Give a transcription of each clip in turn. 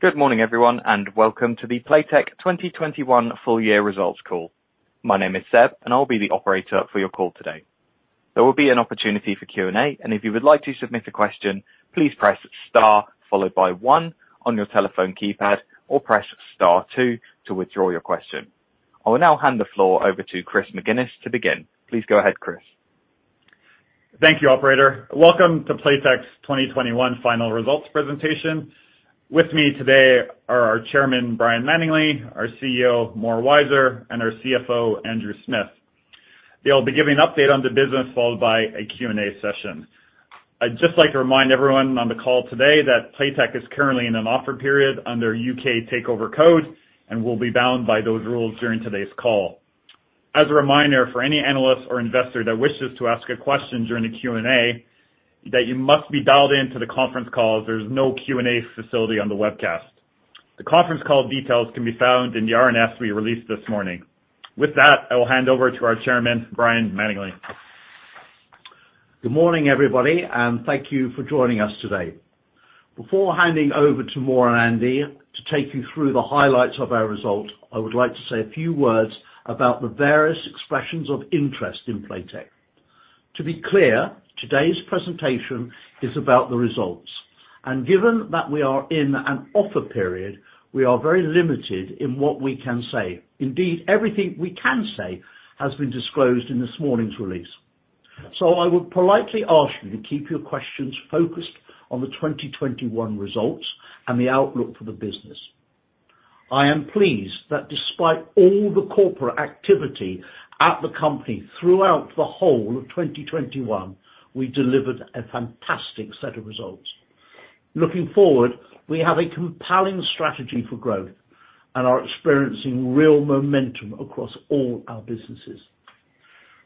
Good morning, everyone, and welcome to the Playtech 2021 full year results call. My name is Seb and I'll be the operator for your call today. There will be an opportunity for Q&A, and if you would like to submit a question, please press star followed by one on your telephone keypad or press star two to withdraw your question. I will now hand the floor over to Chris McGinnis to begin. Please go ahead, Chris. Thank you, operator. Welcome to Playtech's 2021 final results presentation. With me today are our chairman, Brian Mattingley, our CEO, Mor Weizer, and our CFO, Andrew Smith. They'll be giving an update on the business followed by a Q&A session. I'd just like to remind everyone on the call today that Playtech is currently in an offer period under U.K. Takeover Code and will be bound by those rules during today's call. As a reminder for any analyst or investor that wishes to ask a question during the Q&A, that you must be dialed into the conference call as there's no Q&A facility on the webcast. The conference call details can be found in the RNS we released this morning. With that, I will hand over to our chairman, Brian Mattingley. Good morning, everybody, and thank you for joining us today. Before handing over to Mor and Andy to take you through the highlights of our results, I would like to say a few words about the various expressions of interest in Playtech. To be clear, today's presentation is about the results. Given that we are in an offer period, we are very limited in what we can say. Indeed, everything we can say has been disclosed in this morning's release. I would politely ask you to keep your questions focused on the 2021 results and the outlook for the business. I am pleased that despite all the corporate activity at the company throughout the whole of 2021, we delivered a fantastic set of results. Looking forward, we have a compelling strategy for growth and are experiencing real momentum across all our businesses.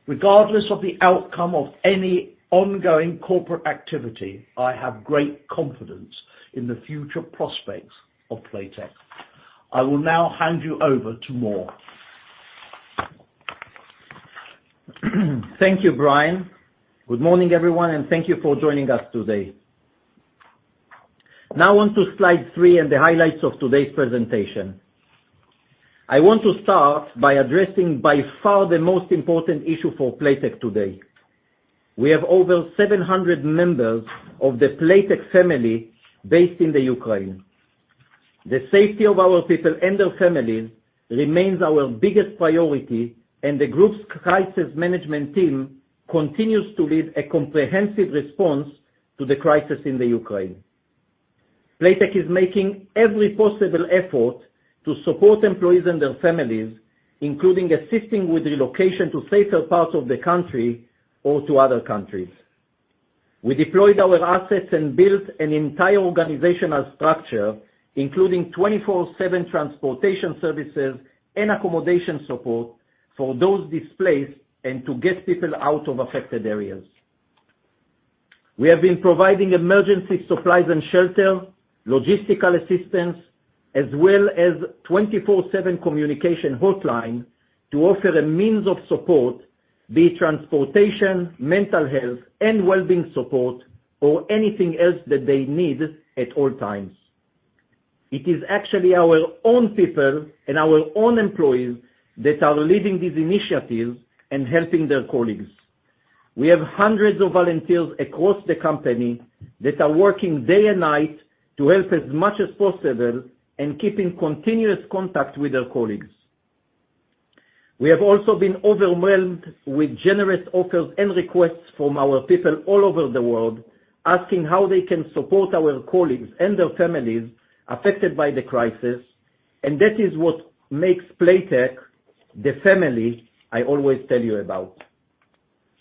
Regardless of the outcome of any ongoing corporate activity, I have great confidence in the future prospects of Playtech. I will now hand you over to Mor. Thank you, Brian. Good morning, everyone, and thank you for joining us today. Now on to slide three and the highlights of today's presentation. I want to start by addressing by far the most important issue for Playtech today. We have over 700 members of the Playtech family based in the Ukraine. The safety of our people and their families remains our biggest priority and the group's crisis management team continues to lead a comprehensive response to the crisis in the Ukraine. Playtech is making every possible effort to support employees and their families, including assisting with relocation to safer parts of the country or to other countries. We deployed our assets and built an entire organizational structure, including 24/7 transportation services and accommodation support for those displaced and to get people out of affected areas. We have been providing emergency supplies and shelter, logistical assistance, as well as 24/7 communication hotline to offer a means of support, be it transportation, mental health and well-being support, or anything else that they need at all times. It is actually our own people and our own employees that are leading these initiatives and helping their colleagues. We have hundreds of volunteers across the company that are working day and night to help as much as possible and keeping continuous contact with their colleagues. We have also been overwhelmed with generous offers and requests from our people all over the world, asking how they can support our colleagues and their families affected by the crisis, and that is what makes Playtech the family I always tell you about.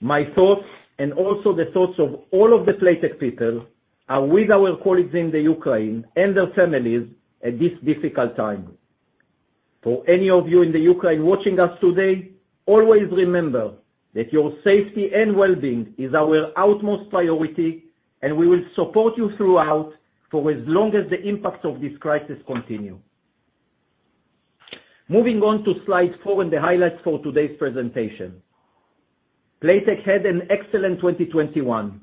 My thoughts and also the thoughts of all of the Playtech people are with our colleagues in the Ukraine and their families at this difficult time. For any of you in the Ukraine watching us today, always remember that your safety and well-being is our utmost priority and we will support you throughout for as long as the impact of this crisis continue. Moving on to slide four in the highlights for today's presentation. Playtech had an excellent 2021.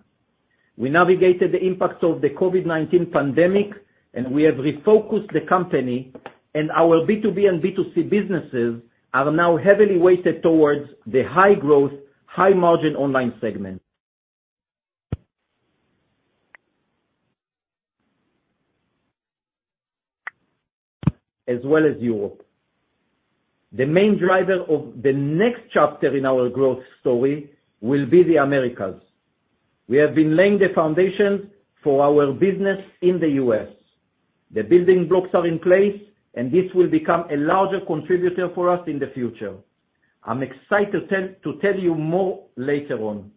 We navigated the impacts of the COVID-19 pandemic and we have refocused the company and our B2B and B2C businesses are now heavily weighted towards the high growth, high margin online segment as well as Europe. The main driver of the next chapter in our growth story will be the Americas. We have been laying the foundation for our business in the U.S. The building blocks are in place and this will become a larger contributor for us in the future. I'm excited to tell you more later on.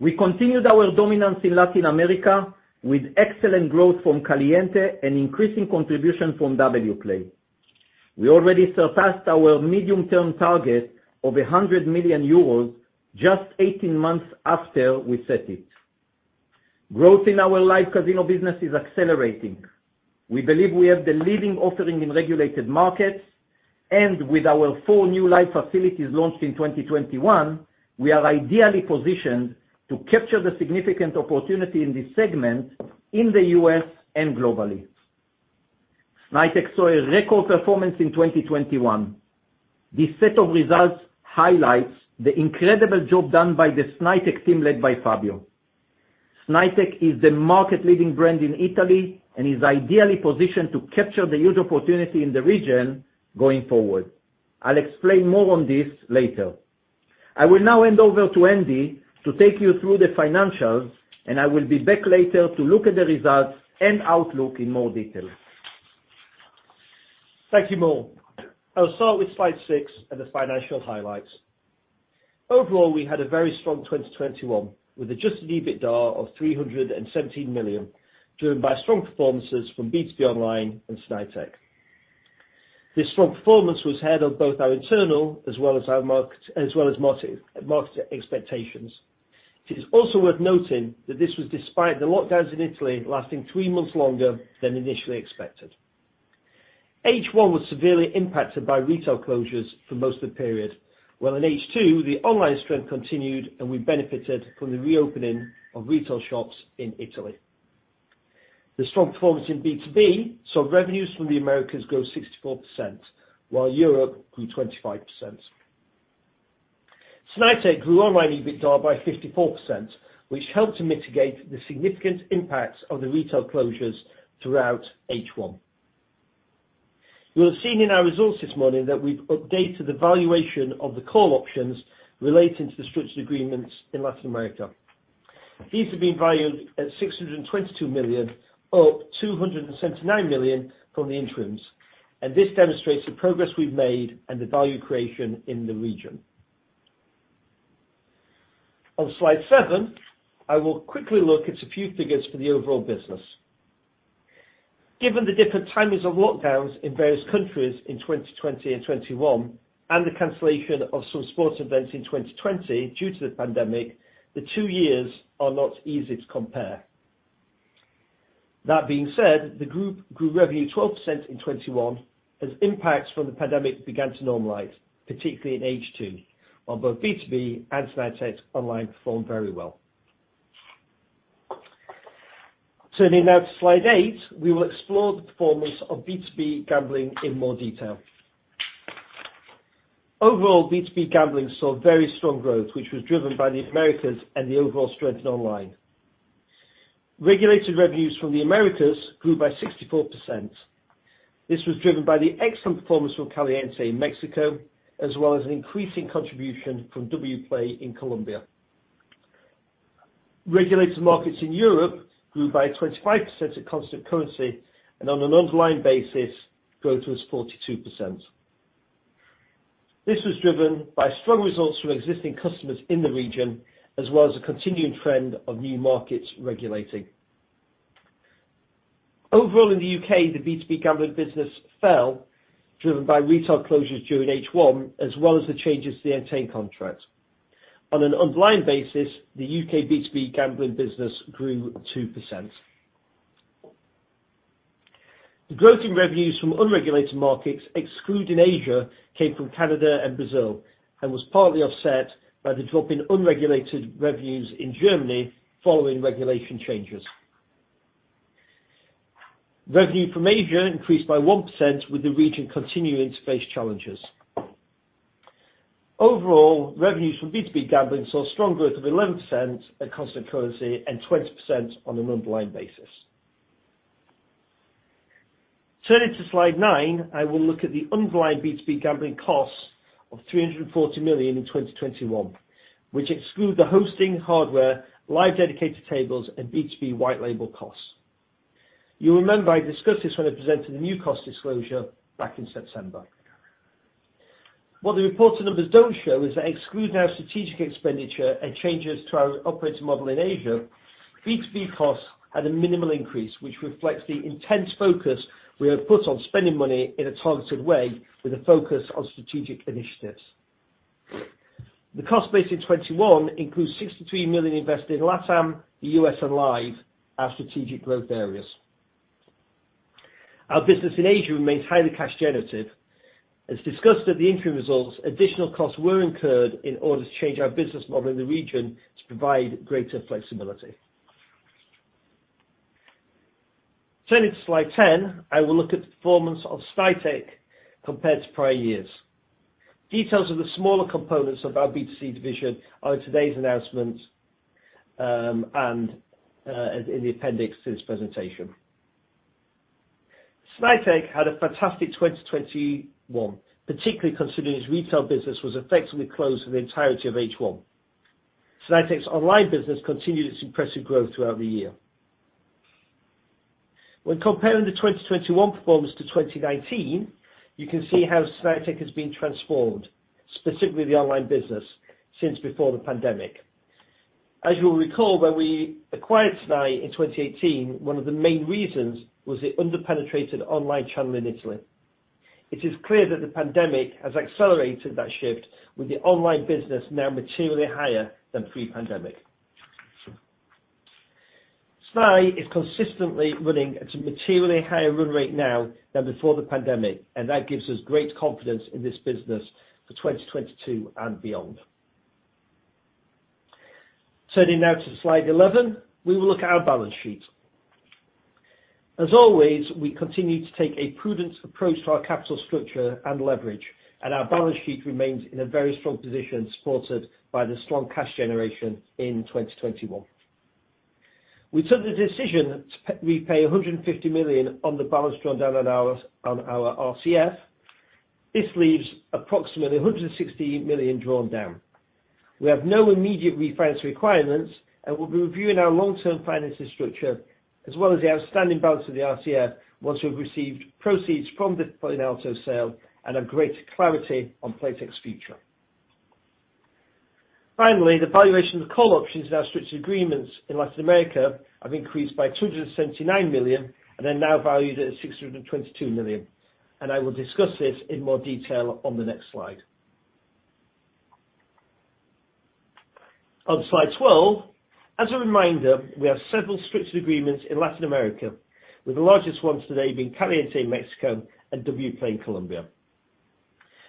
We continued our dominance in Latin America with excellent growth from Caliente and increasing contribution from Wplay. We already surpassed our medium-term target of 100 million euros just 18 months after we set it. Growth in our live casino business is accelerating. We believe we have the leading offering in regulated markets. With our four new live facilities launched in 2021, we are ideally positioned to capture the significant opportunity in this segment in the U.S. and globally. Snaitech saw a record performance in 2021. This set of results highlights the incredible job done by the Snaitech team, led by Fabio. Snaitech is the market-leading brand in Italy and is ideally positioned to capture the huge opportunity in the region going forward. I'll explain more on this later. I will now hand over to Andy to take you through the financials, and I will be back later to look at the results and outlook in more detail. Thank you, Mor. I'll start with slide six and the financial highlights. Overall, we had a very strong 2021, with adjusted EBITDA of 317 million, driven by strong performances from B2B online and Snaitech. This strong performance was ahead of both our internal as well as our market expectations. It is also worth noting that this was despite the lockdowns in Italy lasting three months longer than initially expected. H1 was severely impacted by retail closures for most of the period, while in H2, the online strength continued, and we benefited from the reopening of retail shops in Italy. The strong performance in B2B saw revenues from the Americas grow 64%, while Europe grew 25%. Snaitech grew online EBITDA by 54%, which helped to mitigate the significant impacts of the retail closures throughout H1. You will have seen in our results this morning that we've updated the valuation of the call options relating to the structured agreements in Latin America. These have been valued at 622 million, up 279 million from the interims. This demonstrates the progress we've made and the value creation in the region. On slide 7, I will quickly look at a few figures for the overall business. Given the different timings of lockdowns in various countries in 2020 and 2021, and the cancellation of some sports events in 2020 due to the pandemic, the two years are not easy to compare. That being said, the group grew revenue 12% in 2021 as impacts from the pandemic began to normalize, particularly in H2, while both B2B and Snaitech online performed very well. Turning now to slide eight, we will explore the performance of B2B gambling in more detail. Overall, B2B gambling saw very strong growth, which was driven by the Americas and the overall strength in online. Regulated revenues from the Americas grew by 64%. This was driven by the excellent performance from Caliente in Mexico, as well as an increasing contribution from Wplay in Colombia. Regulated markets in Europe grew by 25% at constant currency, and on an online basis, growth was 42%. This was driven by strong results from existing customers in the region as well as a continuing trend of new markets regulating. Overall in the U.K., the B2B gambling business fell, driven by retail closures during H1 as well as the changes to the Entain contract. On an online basis, the U.K. B2B gambling business grew 2%. The growth in revenues from unregulated markets, excluding Asia, came from Canada and Brazil and was partly offset by the drop in unregulated revenues in Germany following regulation changes. Revenue from Asia increased by 1% with the region continuing to face challenges. Overall, revenues from B2B gambling saw strong growth of 11% at constant currency and 20% on an online basis. Turning to slide nine, I will look at the underlying B2B gambling costs of 340 million in 2021, which exclude the hosting, hardware, live dedicated tables, and B2B white label costs. You'll remember I discussed this when I presented the new cost disclosure back in September. What the reported numbers don't show is that excluding our strategic expenditure and changes to our operating model in Asia, B2B costs had a minimal increase, which reflects the intense focus we have put on spending money in a targeted way with a focus on strategic initiatives. The cost base in 2021 includes 63 million invested in LatAm, the U.S., and Live, our strategic growth areas. Our business in Asia remains highly cash generative. As discussed at the interim results, additional costs were incurred in order to change our business model in the region to provide greater flexibility. Turning to slide 10, I will look at the performance of Snaitech compared to prior years. Details of the smaller components of our B2C division are in today's announcement, and in the appendix to this presentation. Snaitech had a fantastic 2021, particularly considering its retail business was effectively closed for the entirety of H1. Snaitech's online business continued its impressive growth throughout the year. When comparing the 2021 performance to 2019, you can see how Snaitech has been transformed, specifically the online business, since before the pandemic. As you'll recall, when we acquired Snaitech in 2018, one of the main reasons was the underpenetrated online channel in Italy. It is clear that the pandemic has accelerated that shift with the online business now materially higher than pre-pandemic. Snaitech is consistently running at a materially higher run rate now than before the pandemic, and that gives us great confidence in this business for 2022 and beyond. Turning now to slide 11, we will look at our balance sheet. As always, we continue to take a prudent approach to our capital structure and leverage, and our balance sheet remains in a very strong position, supported by the strong cash generation in 2021. We took the decision to repay 150 million on the balance drawn down on our RCF. This leaves approximately 160 million drawn down. We have no immediate refinance requirements, and we'll be reviewing our long-term financial structure as well as the outstanding balance of the RCF once we've received proceeds from the Finalto sale and have greater clarity on Playtech's future. Finally, the valuation of the call options in our structured agreements in Latin America has increased by 279 million and is now valued at 622 million, and I will discuss this in more detail on the next slide. On slide 12, as a reminder, we have several structured agreements in Latin America, with the largest ones today being Caliente in Mexico and Wplay in Colombia.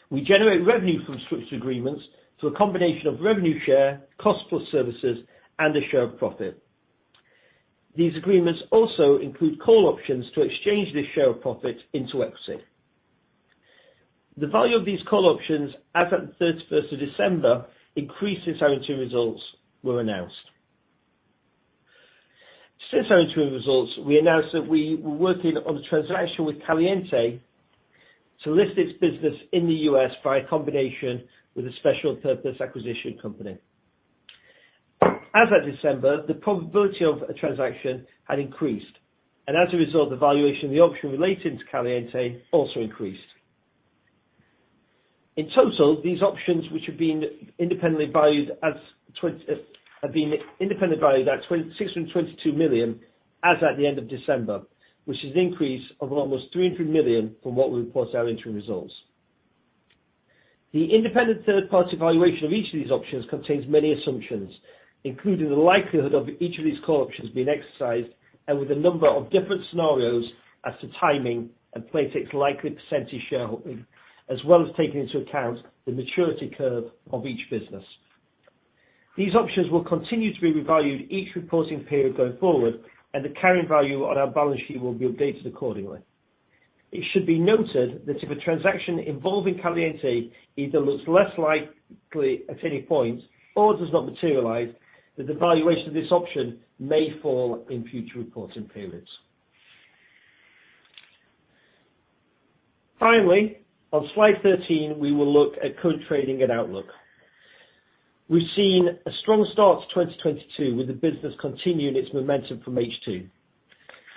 We generate revenue from structured agreements through a combination of revenue share, cost plus services, and a share of profit. These agreements also include call options to exchange this share of profit into equity. The value of these call options as at the 31st of December increased as our interim results were announced. Since our interim results, we announced that we were working on a transaction with Caliente to list its business in the U.S. via a combination with a special purpose acquisition company. As at December, the probability of a transaction had increased, and as a result, the valuation of the option relating to Caliente also increased. In total, these options, which have been independently valued at 622 million as at the end of December, which is an increase of almost 300 million from what we reported in our interim results. The independent third party valuation of each of these options contains many assumptions, including the likelihood of each of these call options being exercised and with a number of different scenarios as to timing and Playtech's likely percentage shareholding, as well as taking into account the maturity curve of each business. These options will continue to be revalued each reporting period going forward, and the carrying value on our balance sheet will be updated accordingly. It should be noted that if a transaction involving Caliente either looks less likely at any point or does not materialize, that the valuation of this option may fall in future reporting periods. Finally, on slide 13, we will look at current trading and outlook. We've seen a strong start to 2022 with the business continuing its momentum from H2.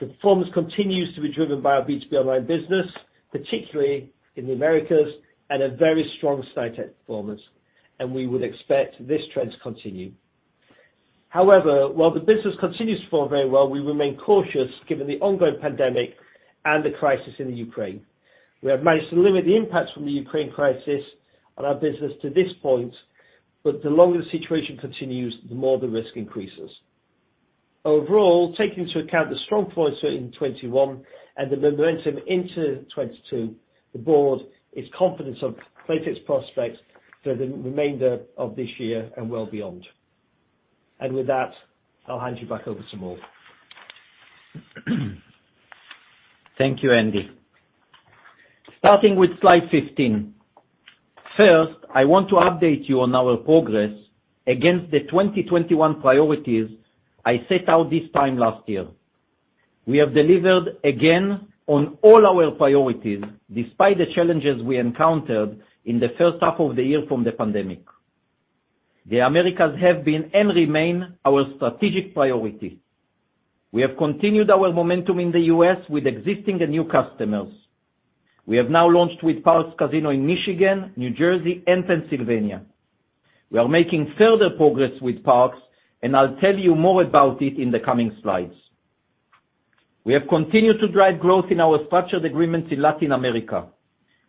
The performance continues to be driven by our B2B online business, particularly in the Americas, and a very strong Snaitech performance, and we would expect this trend to continue. However, while the business continues to perform very well, we remain cautious given the ongoing pandemic and the crisis in the Ukraine. We have managed to limit the impacts from the Ukraine crisis on our business to this point, but the longer the situation continues, the more the risk increases. Overall, taking into account the strong points in 2021 and the momentum into 2022, the board is confident of Playtech's prospects for the remainder of this year and well beyond. With that, I'll hand you back over to Mor. Thank you, Andy. Starting with slide 15, first I want to update you on our progress against the 2021 priorities I set out this time last year. We have delivered again on all our priorities; despite the challenges we encountered in the H1 of the year from the pandemic. The Americas have been and remain our strategic priority. We have continued our momentum in the U.S. with existing and new customers. We have now launched with Parx Casino in Michigan, New Jersey, and Pennsylvania. We are making further progress with Parx, and I'll tell you more about it in the coming slides. We have continued to drive growth in our structured agreements in Latin America.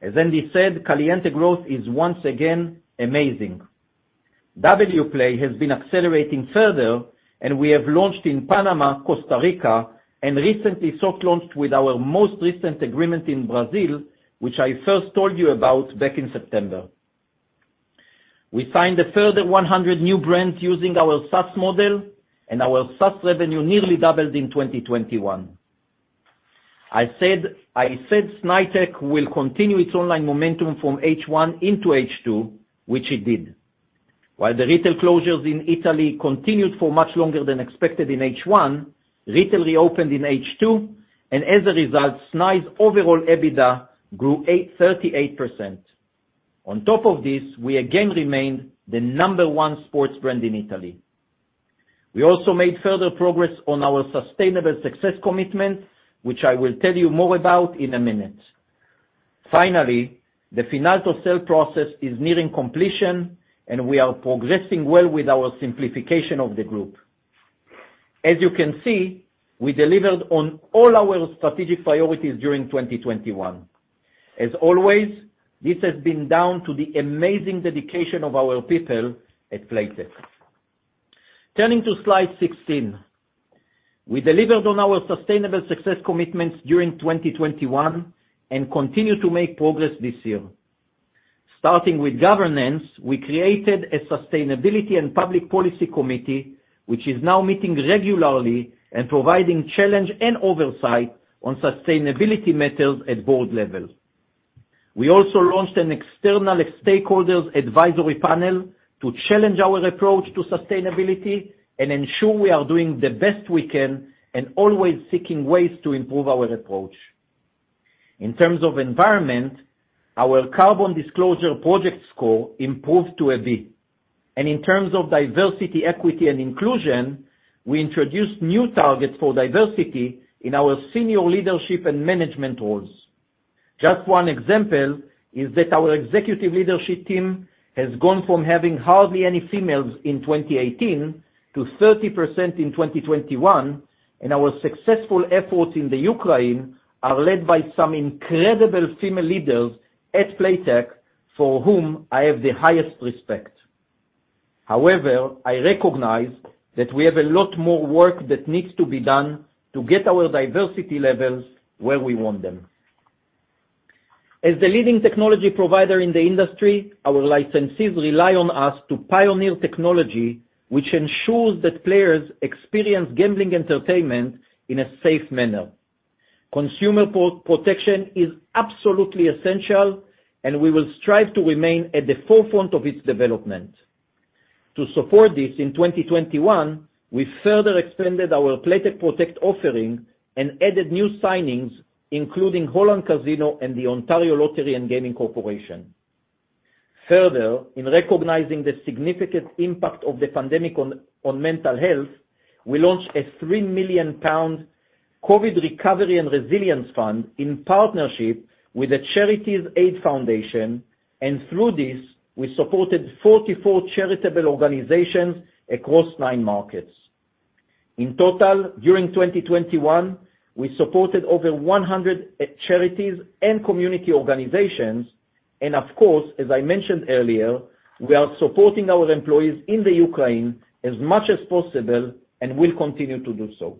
As Andy said, Caliente growth is once again amazing. Wplay has been accelerating further, and we have launched in Panama, Costa Rica, and recently soft launched with our most recent agreement in Brazil, which I first told you about back in September. We signed a further 100 new brands using our SaaS model, and our SaaS revenue nearly doubled in 2021. I said Snaitech will continue its online momentum from H1 into H2, which it did. While the retail closures in Italy continued for much longer than expected in H1, retail reopened in H2, and as a result, Snaitech's overall EBITDA grew 38%. On top of this, we again remained the number one sports brand in Italy. We also made further progress on our sustainable success commitment, which I will tell you more about in a minute. Finally, the Finalto sale process is nearing completion, and we are progressing well with our simplification of the group. As you can see, we delivered on all our strategic priorities during 2021. As always, this has been down to the amazing dedication of our people at Playtech. Turning to slide 16. We delivered on our sustainable success commitments during 2021 and continue to make progress this year. Starting with governance, we created a sustainability and public policy committee, which is now meeting regularly and providing challenge and oversight on sustainability matters at board level. We also launched an external stakeholders advisory panel to challenge our approach to sustainability and ensure we are doing the best we can and always seeking ways to improve our approach. In terms of environment, our Carbon Disclosure Project score improved to a B, and in terms of diversity, equity, and inclusion, we introduced new targets for diversity in our senior leadership and management roles. Just one example is that our executive leadership team has gone from having hardly any females in 2018 to 30% in 2021, and our successful efforts in the Ukraine are led by some incredible female leaders at Playtech, for whom I have the highest respect. However, I recognize that we have a lot more work that needs to be done to get our diversity levels where we want them. As the leading technology provider in the industry, our licensees rely on us to pioneer technology which ensures that players experience gambling entertainment in a safe manner. Consumer protection is absolutely essential, and we will strive to remain at the forefront of its development. To support this, in 2021, we further extended our Playtech Protect offering and added new signings, including Holland Casino and the Ontario Lottery and Gaming Corporation. Further, in recognizing the significant impact of the pandemic on mental health, we launched a 3 million pound COVID Recovery and Resilience Fund in partnership with the Charities Aid Foundation, and through this, we supported 44 charitable organizations across nine markets. In total, during 2021, we supported over 100 charities and community organizations, and of course, as I mentioned earlier, we are supporting our employees in the Ukraine as much as possible and will continue to do so.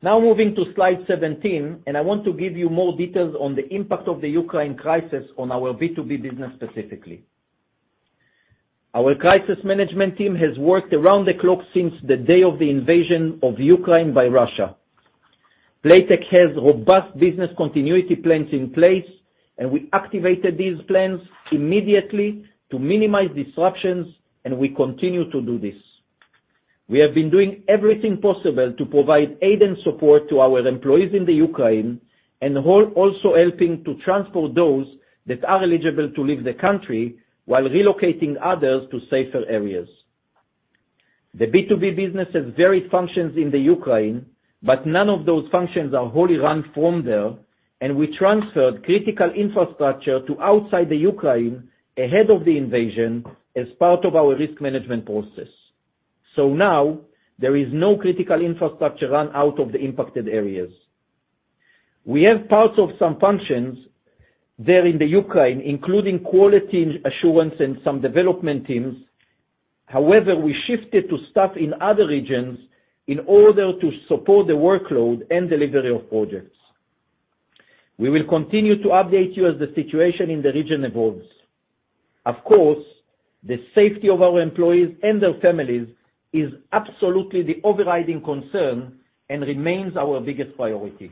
Now moving to slide 17, and I want to give you more details on the impact of the Ukraine crisis on our B2B business specifically. Our crisis management team has worked around the clock since the day of the invasion of Ukraine by Russia. Playtech has robust business continuity plans in place, and we activated these plans immediately to minimize disruptions, and we continue to do this. We have been doing everything possible to provide aid and support to our employees in the Ukraine and also helping to transport those that are eligible to leave the country while relocating others to safer areas. The B2B business has varied functions in the Ukraine, but none of those functions are wholly run from there, and we transferred critical infrastructure to outside the Ukraine ahead of the invasion as part of our risk management process. Now there is no critical infrastructure run out of the impacted areas. We have parts of some functions there in the Ukraine, including quality assurance and some development teams. However, we shifted to staff in other regions in order to support the workload and delivery of projects. We will continue to update you as the situation in the region evolves. Of course, the safety of our employees and their families is absolutely the overriding concern and remains our biggest priority.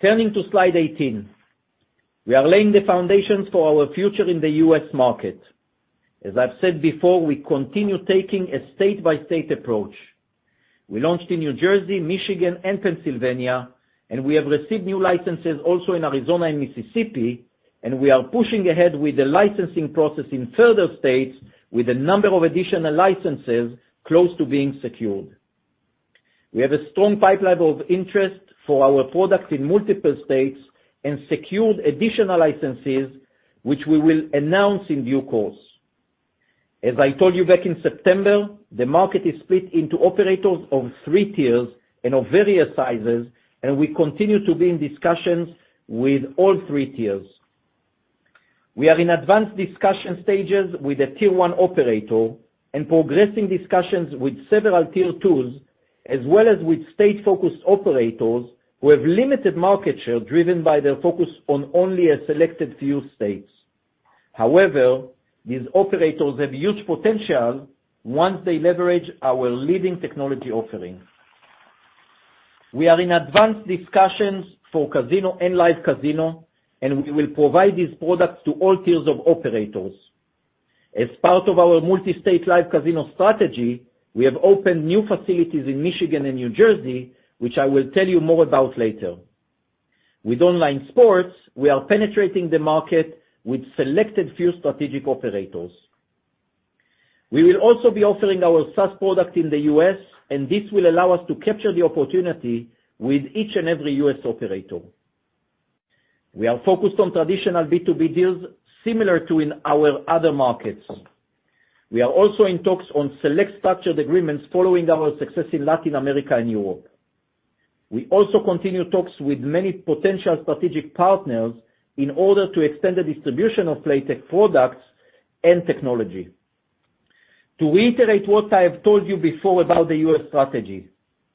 Turning to slide 18. We are laying the foundations for our future in the U.S. market. As I've said before, we continue taking a state-by-state approach. We launched in New Jersey, Michigan, and Pennsylvania, and we have received new licenses also in Arizona and Mississippi, and we are pushing ahead with the licensing process in further states with a number of additional licenses close to being secured. We have a strong pipeline of interest for our product in multiple states and secured additional licenses which we will announce in due course. As I told you back in September, the market is split into operators of three tiers and of various sizes, and we continue to be in discussions with all three tiers. We are in advanced discussion stages with a tier one operator and progressing discussions with several tier twos as well as with state-focused operators who have limited market share driven by their focus on only a selected few states. However, these operators have huge potential once they leverage our leading technology offering. We are in advanced discussions for casino and live casino, and we will provide these products to all tiers of operators. As part of our multi-state live casino strategy, we have opened new facilities in Michigan and New Jersey, which I will tell you more about later. With online sports, we are penetrating the market with selected few strategic operators. We will also be offering our SaaS product in the U.S., and this will allow us to capture the opportunity with each and every U.S. operator. We are focused on traditional B2B deals similar to in our other markets. We are also in talks on select structured agreements following our success in Latin America and Europe. We also continue talks with many potential strategic partners in order to extend the distribution of Playtech products and technology. To reiterate what I have told you before about the U.S. strategy,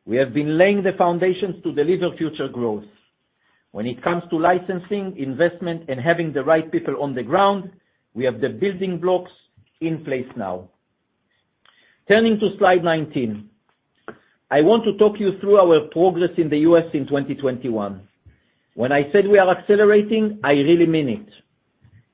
we have been laying the foundations to deliver future growth. When it comes to licensing, investment, and having the right people on the ground, we have the building blocks in place now. Turning to slide 19. I want to talk you through our progress in the U.S. in 2021. When I said we are accelerating, I really mean it.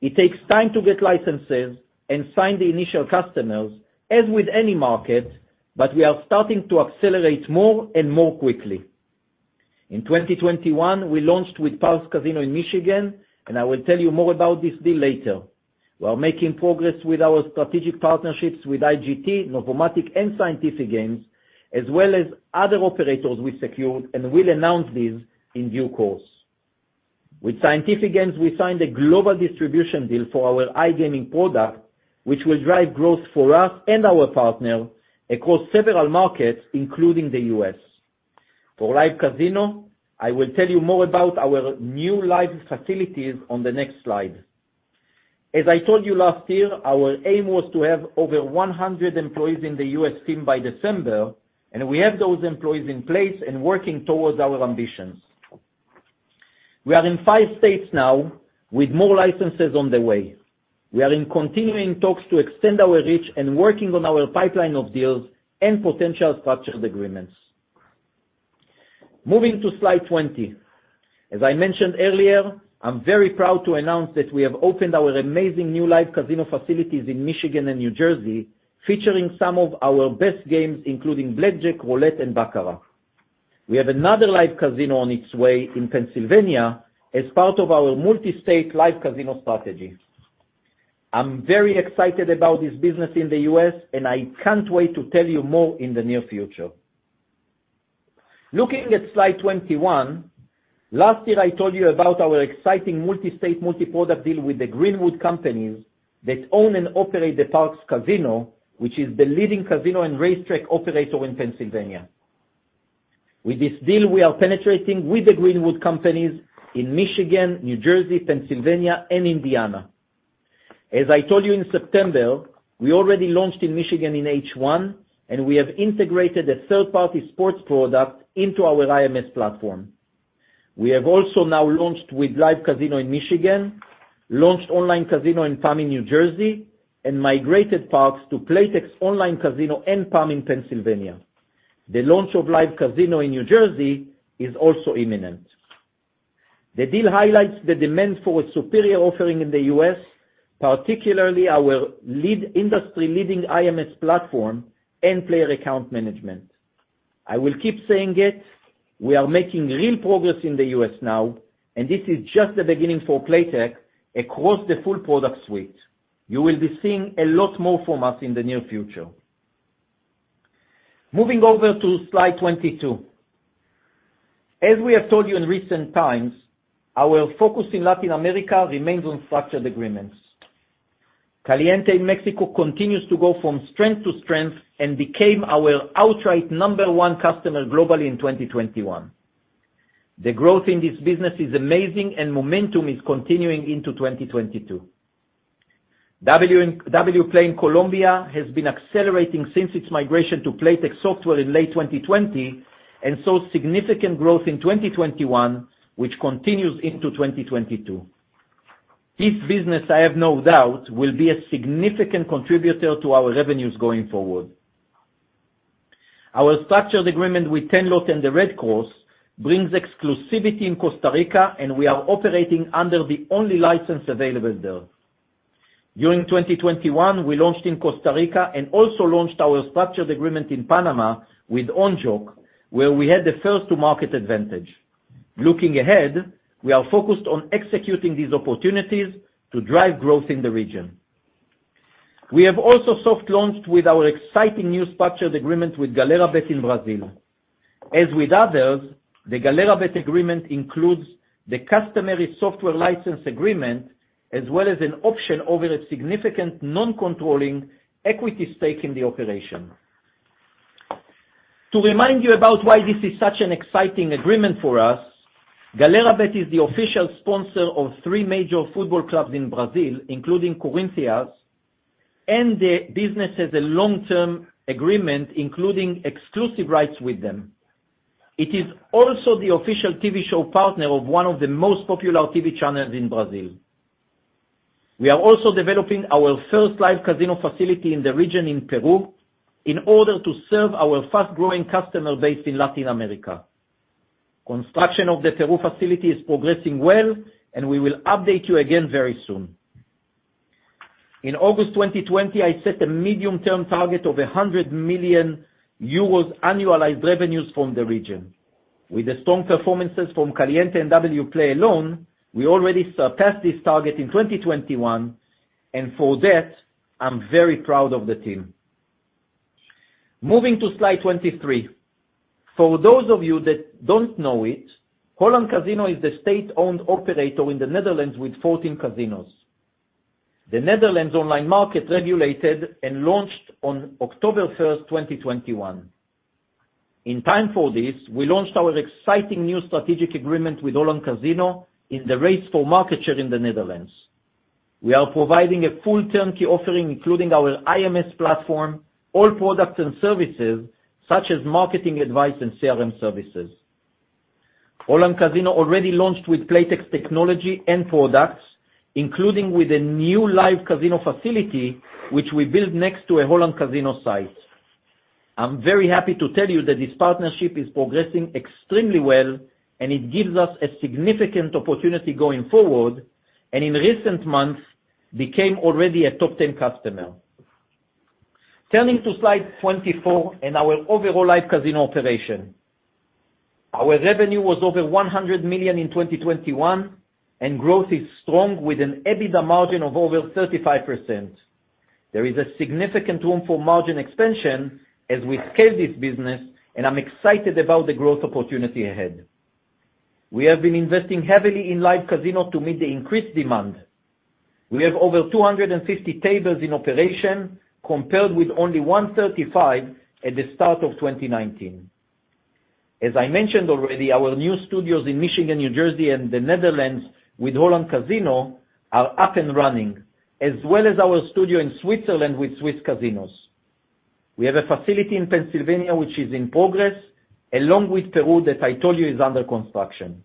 It takes time to get licenses and sign the initial customers as with any market, but we are starting to accelerate more and more quickly. In 2021, we launched with Parx Casino in Michigan, and I will tell you more about this deal later. We are making progress with our strategic partnerships with IGT, NOVOMATIC, and Scientific Games, as well as other operators we secured and will announce these in due course. With Scientific Games, we signed a global distribution deal for our iGaming product, which will drive growth for us and our partner across several markets, including the U.S. For live casino, I will tell you more about our new live facilities on the next slide. As I told you last year, our aim was to have over 100 employees in the U.S. team by December, and we have those employees in place and working towards our ambitions. We are in 5 states now with more licenses on the way. We are in continuing talks to extend our reach and working on our pipeline of deals and potential structured agreements. Moving to slide 20. As I mentioned earlier, I'm very proud to announce that we have opened our amazing new live casino facilities in Michigan and New Jersey, featuring some of our best games, including blackjack, roulette, and baccarat. We have another live casino on its way in Pennsylvania as part of our multi-state live casino strategy. I'm very excited about this business in the U.S., and I can't wait to tell you more in the near future. Looking at slide 21. Last year, I told you about our exciting multi-state, multi-product deal with Greenwood Gaming and Entertainment that owns and operates Parx Casino, which is the leading casino and racetrack operator in Pennsylvania. With this deal, we are penetrating with Greenwood Gaming and Entertainment in Michigan, New Jersey, Pennsylvania, and Indiana. As I told you in September, we already launched in Michigan in H1, and we have integrated a third-party sports product into our IMS platform. We have also now launched with live casino in Michigan, launched online casino and PAM in New Jersey, and migrated Parx to Playtech's online casino and PAM in Pennsylvania. The launch of live casino in New Jersey is also imminent. The deal highlights the demand for a superior offering in the U.S., particularly our industry-leading IMS platform and player account management. I will keep saying it, we are making real progress in the U.S. now, and this is just the beginning for Playtech across the full product suite. You will be seeing a lot more from us in the near future. Moving over to slide 22. As we have told you in recent times, our focus in Latin America remains on structured agreements. Caliente in Mexico continues to go from strength to strength and became our outright number one customer globally in 2021. The growth in this business is amazing, and momentum is continuing into 2022. Wplay in Colombia has been accelerating since its migration to Playtech software in late 2020 and saw significant growth in 2021, which continues into 2022. This business, I have no doubt, will be a significant contributor to our revenues going forward. Our structured agreement with Tenlot and the Red Cross brings exclusivity in Costa Rica, and we are operating under the only license available there. During 2021, we launched in Costa Rica and also launched our structured agreement in Panama with Onjoc, where we had the first-to-market advantage. Looking ahead, we are focused on executing these opportunities to drive growth in the region. We have also soft-launched with our exciting new structured agreement with Galera.bet in Brazil. As with others, the Galera.bet agreement includes the customary software license agreement as well as an option over a significant non-controlling equity stake in the operation. To remind you about why this is such an exciting agreement for us, Galera.bet is the official sponsor of three major football clubs in Brazil, including Corinthians, and the business has a long-term agreement, including exclusive rights with them. It is also the official TV show partner of one of the most popular TV channels in Brazil. We are also developing our first live casino facility in the region in Peru in order to serve our fast-growing customer base in Latin America. Construction of the Peru facility is progressing well, and we will update you again very soon. In August 2020, I set a medium-term target of 100 million euros annualized revenues from the region. With the strong performances from Caliente and Wplay alone, we already surpassed this target in 2021, and for that, I'm very proud of the team. Moving to slide 23. For those of you that don't know it, Holland Casino is the state-owned operator in the Netherlands with 14 casinos. The Netherlands online market, regulated and launched on October 1, 2021. In time for this, we launched our exciting new strategic agreement with Holland Casino in the race for market share in the Netherlands. We are providing a full turnkey offering, including our IMS platform, all products and services, such as marketing advice and CRM services. Holland Casino already launched with Playtech's technology and products, including with a new live casino facility which we built next to a Holland Casino site. I'm very happy to tell you that this partnership is progressing extremely well, and it gives us a significant opportunity going forward, and in recent months, became already a top ten customer. Turning to slide 24 and our overall live casino operation. Our revenue was over 100 million in 2021, and growth is strong with an EBITDA margin of over 35%. There is a significant room for margin expansion as we scale this business, and I'm excited about the growth opportunity ahead. We have been investing heavily in live casino to meet the increased demand. We have over 250 tables in operation compared with only 135 at the start of 2019. As I mentioned already, our new studios in Michigan, New Jersey, and the Netherlands with Holland Casino are up and running, as well as our studio in Switzerland with Swiss Casinos. We have a facility in Pennsylvania which is in progress, along with Peru, that I told you is under construction.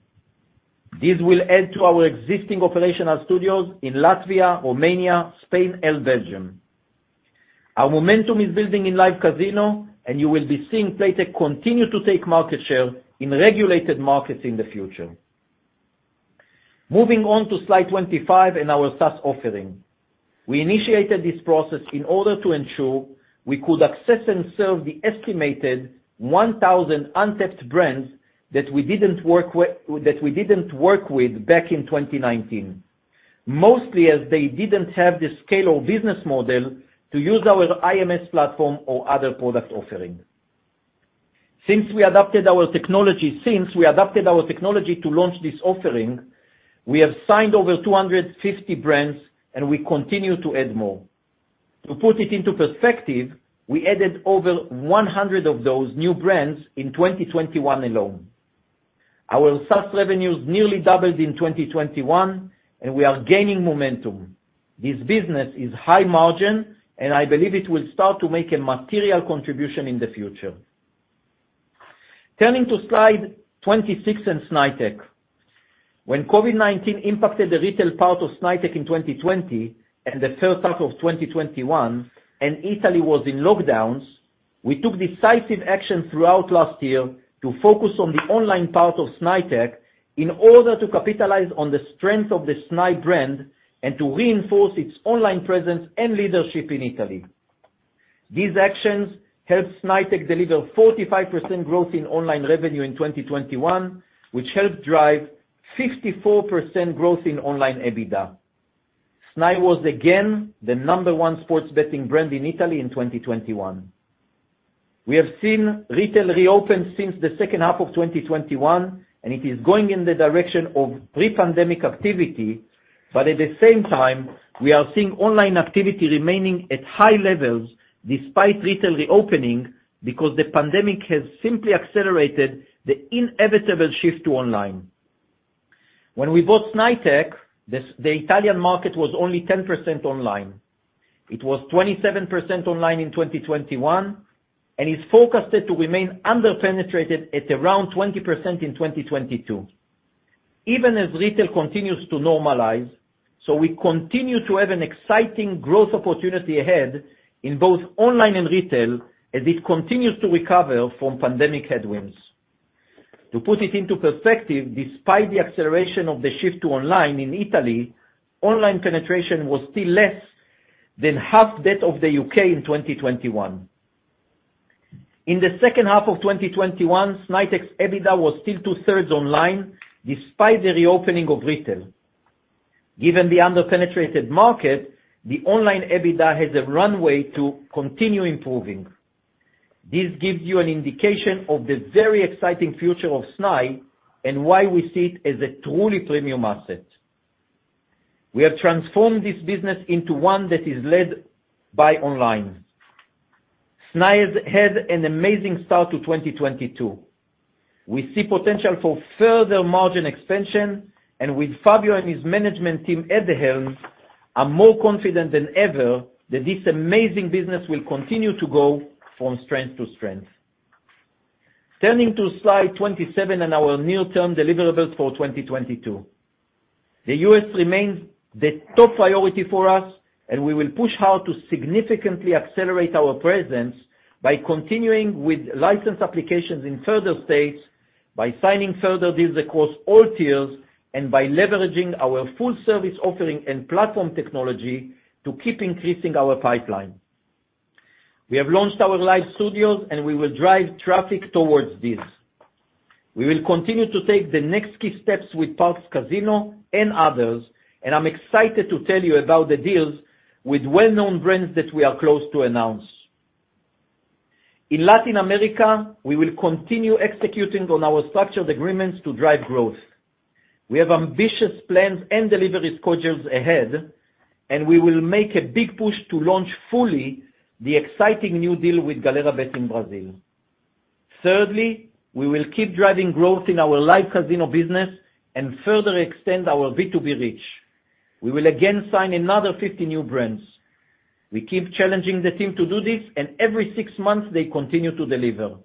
This will add to our existing operational studios in Latvia, Romania, Spain, and Belgium. Our momentum is building in live casino, and you will be seeing Playtech continue to take market share in regulated markets in the future. Moving on to slide 25 and our SaaS offering. We initiated this process in order to ensure we could access and serve the estimated 1,000 untapped brands that we didn't work with back in 2019. Mostly as they didn't have the scale or business model to use our IMS platform or other product offering. Since we adapted our technology to launch this offering, we have signed over 250 brands, and we continue to add more. To put it into perspective, we added over 100 of those new brands in 2021 alone. Our SaaS revenues nearly doubled in 2021, and we are gaining momentum. This business is high margin, and I believe it will start to make a material contribution in the future. Turning to slide 26 and Snaitech. When COVID-19 impacted the retail part of Snaitech in 2020 and the H1 of 2021, and Italy was in lockdowns, we took decisive action throughout last year to focus on the online part of Snaitech in order to capitalize on the strength of the Snai brand and to reinforce its online presence and leadership in Italy. These actions helped Snaitech deliver 45% growth in online revenue in 2021, which helped drive 54% growth in online EBITDA. Snai was again the number one sports betting brand in Italy in 2021. We have seen retail reopen since the H2 of 2021, and it is going in the direction of pre-pandemic activity. At the same time, we are seeing online activity remaining at high levels despite retail reopening, because the pandemic has simply accelerated the inevitable shift to online. When we bought Snaitech, the Italian market was only 10% online. It was 27% online in 2021 and is forecasted to remain under-penetrated at around 20% in 2022, even as retail continues to normalize. We continue to have an exciting growth opportunity ahead in both online and retail as it continues to recover from pandemic headwinds. To put it into perspective, despite the acceleration of the shift to online in Italy, online penetration was still less than half that of the U.K. in 2021. In the H2 of 2021, Snaitech's EBITDA was still 2/3 online despite the reopening of retail. Given the under-penetrated market, the online EBITDA has a runway to continue improving. This gives you an indication of the very exciting future of Snaitech and why we see it as a truly premium asset. We have transformed this business into one that is led by online. Snai has had an amazing start to 2022. We see potential for further margin expansion, and with Fabio and his management team at the helm, I'm more confident than ever that this amazing business will continue to go from strength to strength. Turning to slide 27 and our near-term deliverables for 2022. The U.S. remains the top priority for us, and we will push hard to significantly accelerate our presence by continuing with license applications in further states, by signing further deals across all tiers, and by leveraging our full service offering and platform technology to keep increasing our pipeline. We have launched our live studios, and we will drive traffic towards these. We will continue to take the next key steps with Parx Casino and others, and I'm excited to tell you about the deals with well-known brands that we are close to announce. In Latin America, we will continue executing on our structured agreements to drive growth. We have ambitious plans and delivery schedules ahead, and we will make a big push to launch fully the exciting new deal with Galera.bet in Brazil. Thirdly, we will keep driving growth in our live casino business and further extend our B2B reach. We will again sign another 50 new brands. We keep challenging the team to do this, and every six months they continue to deliver.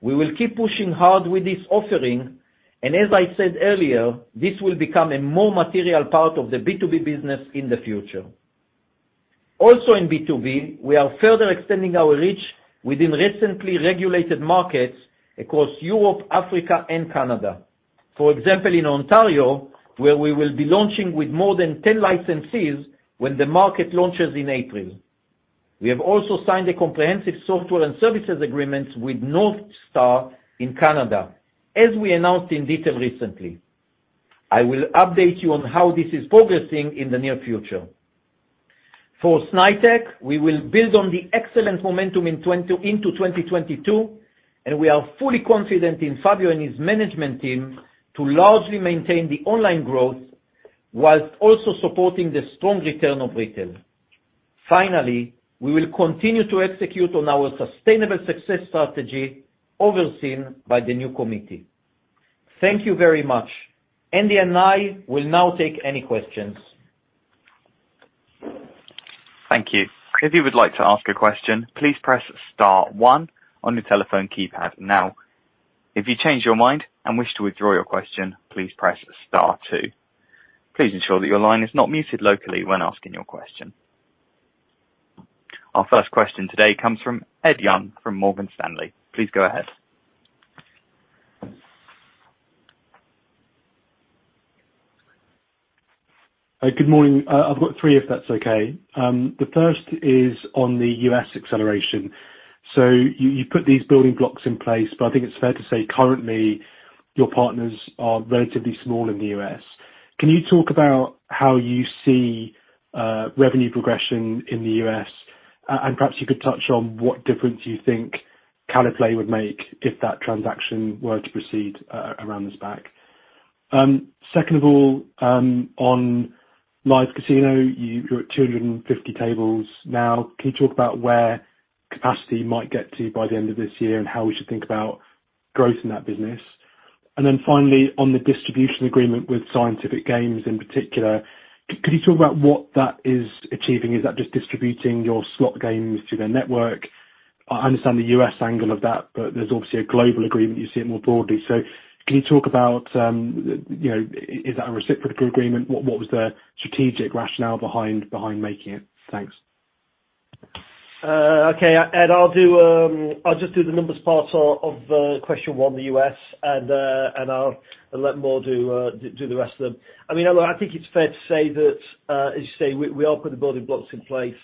We will keep pushing hard with this offering, and as I said earlier, this will become a more material part of the B2B business in the future. Also in B2B, we are further extending our reach within recently regulated markets across Europe, Africa, and Canada. For example, in Ontario, where we will be launching with more than 10 licensees when the market launches in April. We have also signed a comprehensive software and services agreement with NorthStar in Canada, as we announced in detail recently. I will update you on how this is progressing in the near future. For Snaitech, we will build on the excellent momentum in 2022, and we are fully confident in Fabio and his management team to largely maintain the online growth while also supporting the strong return of retail. Finally, we will continue to execute on our sustainable success strategy overseen by the new committee. Thank you very much. Andy and I will now take any questions. Thank you. If you would like to ask a question, please press star one on you telephone keypad or press star two to withdraw your question. Our first question today comes from Ed Young, from Morgan Stanley. Please go ahead. Good morning. I've got three, if that's okay. The first is on the U.S. acceleration. You put these building blocks in place, but I think it's fair to say currently, your partners are relatively small in the U.S. Can you talk about how you see revenue progression in the U.S.? Perhaps you could touch on what difference you think Caliente would make if that transaction were to proceed, around this back. Second of all, on live casino, you're at 250 tables now. Can you talk about where capacity might get to by the end of this year and how we should think about growth in that business? Then finally, on the distribution agreement with Scientific Games in particular, could you talk about what that is achieving? Is that just distributing your slot games to their network? I understand the US angle of that, but there's obviously a global agreement, you see it more broadly. Can you talk about, you know, is that a reciprocal agreement? What was the strategic rationale behind making it? Thanks. Okay. Ed, I'll just do the numbers part of question one, the US, and I'll let Mor do the rest of them. I mean, I think it's fair to say that, as you say, we are putting the building blocks in place,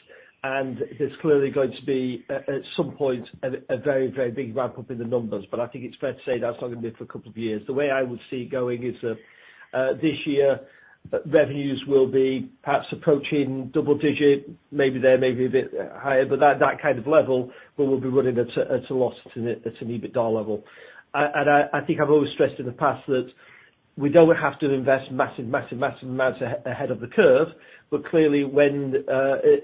and there's clearly going to be at some point a very big ramp-up in the numbers. I think it's fair to say that's not gonna be for a couple of years. The way I would see it going is that this year, revenues will be perhaps approaching double digit, maybe a bit higher, but that kind of level, where we'll be running at a loss at an EBITDAR level. I think I've always stressed in the past that we don't have to invest massive amounts ahead of the curve, but clearly when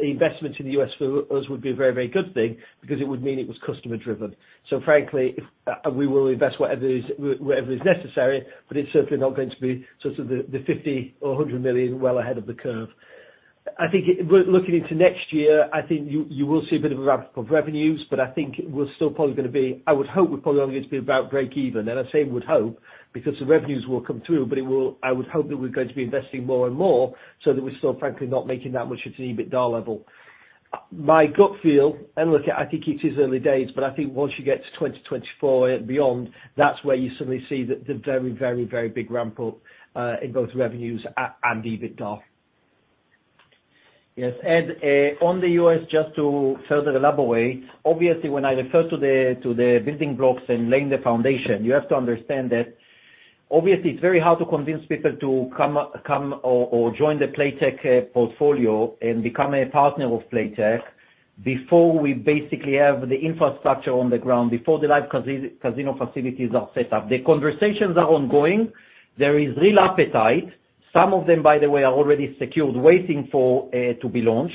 investment in the U.S. for us would be a very good thing because it would mean it was customer driven. Frankly, if we will invest whatever is necessary, but it's certainly not going to be sort of the $50 million or $100 million well ahead of the curve. I think looking into next year, I think you will see a bit of a ramp of revenues, but I think it will still probably gonna be, I would hope we're probably only going to be about break even. I would hope, because the revenues will come through, but I would hope that we're going to be investing more and more so that we're still frankly not making that much at an EBITDAR level. My gut feel, and look, I think it is early days, but I think once you get to 2024 and beyond, that's where you suddenly see the very big ramp up in both revenues and EBITDAR. Yes, Ed, on the U.S., just to further elaborate, obviously when I refer to the building blocks and laying the foundation, you have to understand that obviously it's very hard to convince people to come or join the Playtech portfolio and become a partner of Playtech before we basically have the infrastructure on the ground, before the live casino facilities are set up. The conversations are ongoing. There is real appetite. Some of them, by the way, are already secured, waiting for to be launched.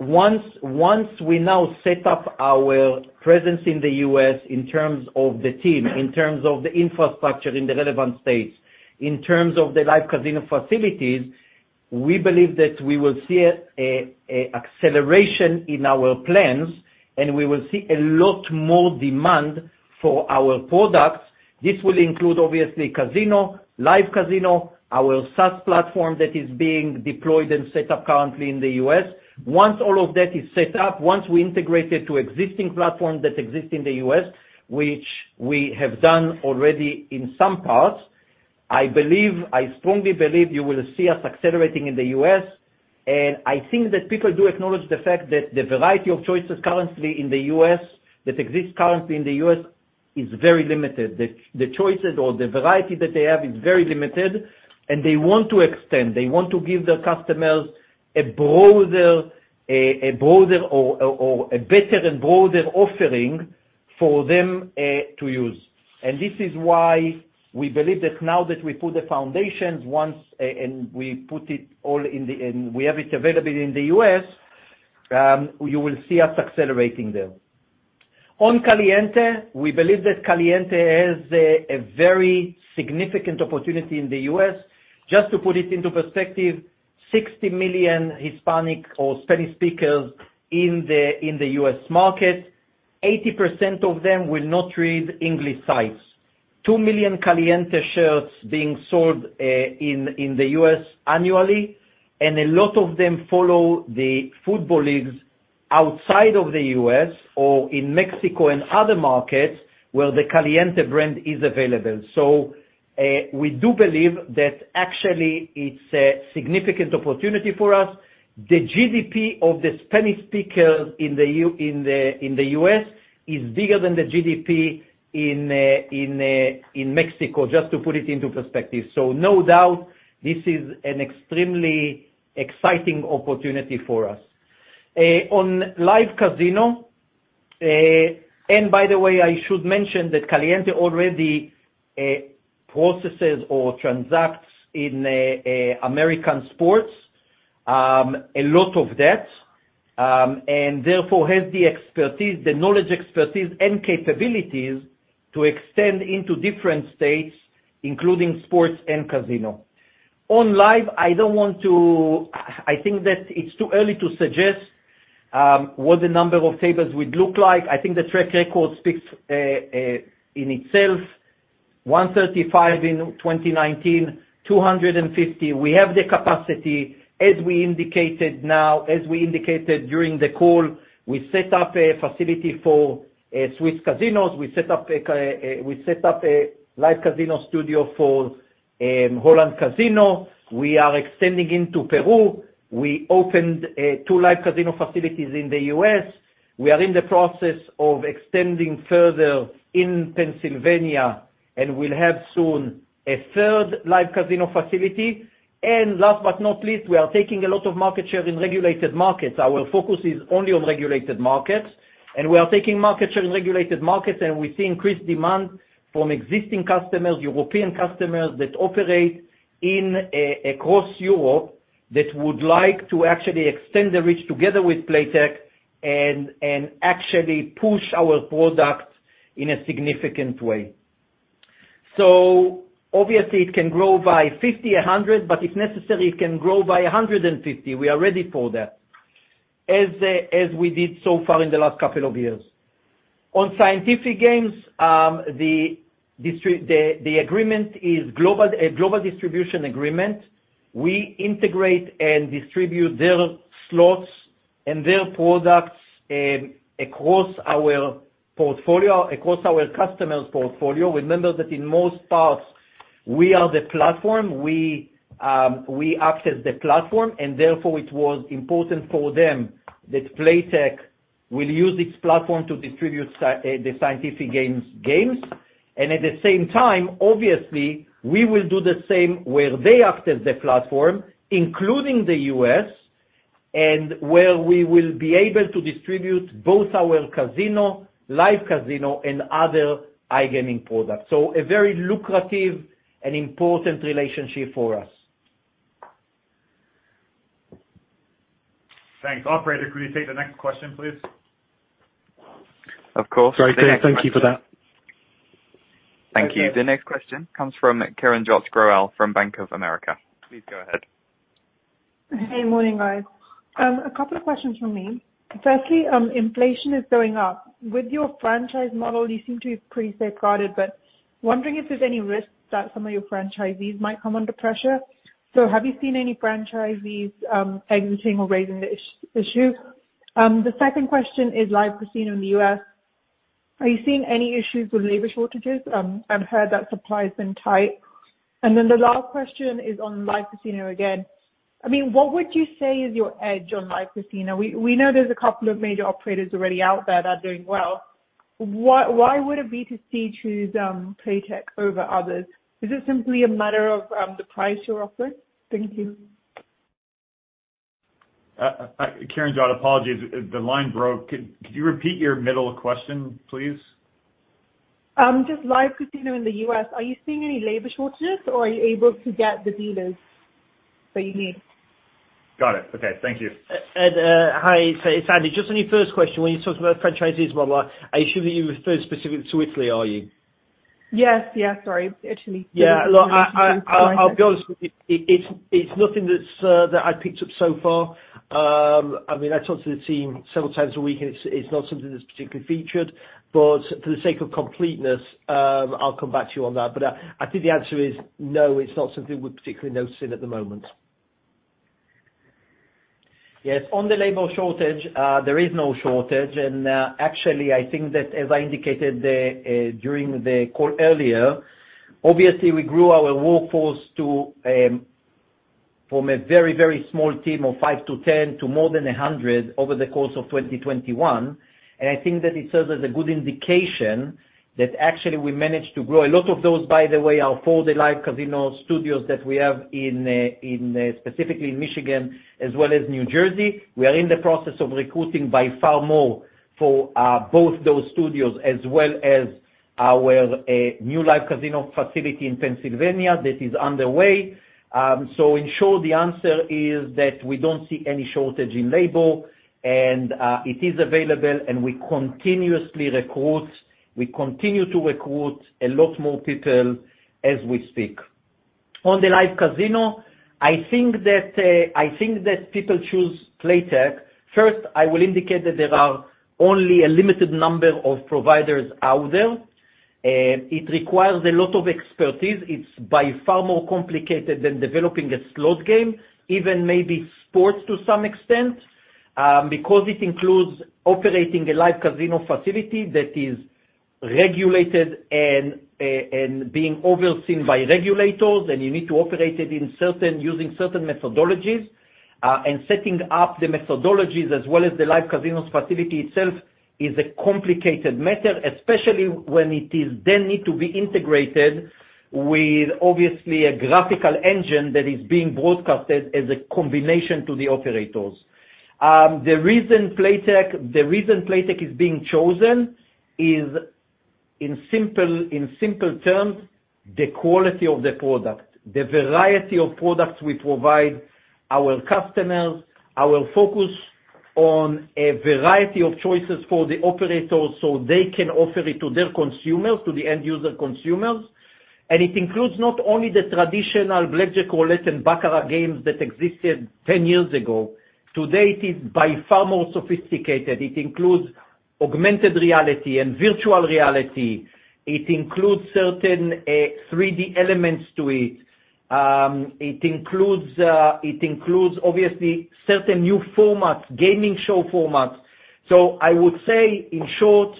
Once we now set up our presence in the U.S. in terms of the team, in terms of the infrastructure in the relevant states, in terms of the live casino facilities, we believe that we will see a acceleration in our plans and we will see a lot more demand for our products. This will include obviously casino, live casino, our SaaS platform that is being deployed and set up currently in the U.S. Once all of that is set up, once we integrate it to existing platforms that exist in the U.S., which we have done already in some parts. I believe, I strongly believe you will see us accelerating in the U.S., and I think that people do acknowledge the fact that the variety of choices currently in the U.S., that exists currently in the U.S. is very limited. The choices or the variety that they have is very limited and they want to extend. They want to give their customers a broader or a better and broader offering for them to use. This is why we believe that now that we put the foundations once and we put it all in the end, we have it available in the U.S., you will see us accelerating there. On Caliente, we believe that Caliente has a very significant opportunity in the U.S. Just to put it into perspective, 60 million Hispanic or Spanish speakers in the U.S. market, 80% of them will not read English sites. 2 million Caliente shirts being sold in the U.S. annually, and a lot of them follow the football leagues outside of the U.S. or in Mexico and other markets where the Caliente brand is available. We do believe that actually it's a significant opportunity for us. The GDP of the Spanish speakers in the U.S. is bigger than the GDP in Mexico, just to put it into perspective. No doubt, this is an extremely exciting opportunity for us. On live casino, and by the way, I should mention that Caliente already processes or transacts in American sports, a lot of that, and therefore has the expertise, the knowledge, and capabilities to extend into different states, including sports and casino. On live, I think that it's too early to suggest what the number of tables would look like. I think the track record speaks in itself. 135 in 2019, 250. We have the capacity, as we indicated during the call. We set up a facility for Swiss Casinos. We set up a live casino studio for Holland Casino. We are extending into Peru. We opened two live casino facilities in the U.S. We are in the process of extending further in Pennsylvania, and we'll have soon a third live casino facility. Last but not least, we are taking a lot of market share in regulated markets. Our focus is only on regulated markets, and we are taking market share in regulated markets, and we see increased demand from existing customers, European customers that operate across Europe that would like to actually extend the reach together with Playtech and actually push our products in a significant way. Obviously it can grow by 50, 100, but if necessary, it can grow by 150. We are ready for that. As we did so far in the last couple of years. On Scientific Games, the agreement is global, a global distribution agreement. We integrate and distribute their slots and their products across our portfolio, across our customers' portfolio. Remember that in most parts, we are the platform. We access the platform, and therefore it was important for them that Playtech will use its platform to distribute the Scientific Games games. At the same time, obviously, we will do the same where they access the platform, including the U.S., and where we will be able to distribute both our casino, live casino, and other iGaming products. A very lucrative and important relationship for us. Thanks. Operator, could you take the next question, please? Of course. Sorry, Dave, thank you for that. Thank you. The next question comes from Kiranjot Grewal from Bank of America. Please go ahead. Hey, morning, guys. A couple of questions from me. Firstly, inflation is going up. With your franchise model, you seem to be pretty safeguarded, but wondering if there's any risks that some of your franchisees might come under pressure. Have you seen any franchisees exiting or raising the issue? The second question is live casino in the U.S. Are you seeing any issues with labor shortages? I've heard that supply's been tight. Then the last question is on live casino again. I mean, what would you say is your edge on live casino? We know there's a couple of major operators already out there that are doing well. Why would a B2C choose Playtech over others? Is it simply a matter of the price you're offering? Thank you. Kiranjot, apologies. The line broke. Could you repeat your middle question, please? Just live casino in the U.S., are you seeing any labor shortages or are you able to get the dealers that you need? Got it. Okay, thank you. Ed, hi, it's Andy. Just on your first question, when you talked about franchisees, blah, are you sure that you're referring specifically to Italy, are you? Yes, yes. Sorry. It's Italy. Yeah. Look, I'll be honest with you. It's nothing that I picked up so far. I mean, I talk to the team several times a week, and it's not something that's particularly featured. For the sake of completeness, I'll come back to you on that. I think the answer is no, it's not something we're particularly noticing at the moment. Yes. On the labor shortage, there is no shortage. Actually, I think that as I indicated during the call earlier, obviously, we grew our workforce to from a very, very small team of 5-10 to more than 100 over the course of 2021. I think that it serves as a good indication that actually we managed to grow. A lot of those, by the way, are for the live casino studios that we have in specifically in Michigan as well as New Jersey. We are in the process of recruiting by far more for both those studios as well as our new live casino facility in Pennsylvania that is underway. In short, the answer is that we don't see any shortage in labor and it is available, and we continuously recruit. We continue to recruit a lot more people as we speak. On the live casino, I think that people choose Playtech. First, I will indicate that there are only a limited number of providers out there. It requires a lot of expertise. It's by far more complicated than developing a slot game, even maybe sports to some extent, because it includes operating a live casino facility that is regulated and being overseen by regulators. You need to operate it using certain methodologies. Setting up the methodologies as well as the live casino facility itself is a complicated matter, especially when it then needs to be integrated with, obviously, a graphical engine that is being broadcasted as a combination to the operators. The reason Playtech is being chosen is in simple terms the quality of the product. The variety of products we provide our customers, our focus on a variety of choices for the operators, so they can offer it to their consumers, to the end user consumers. It includes not only the traditional blackjack or roulette and baccarat games that existed 10 years ago. Today, it is by far more sophisticated. It includes augmented reality and virtual reality. It includes certain 3-D elements to it. It includes obviously certain new formats, gaming show formats. I would say, in short,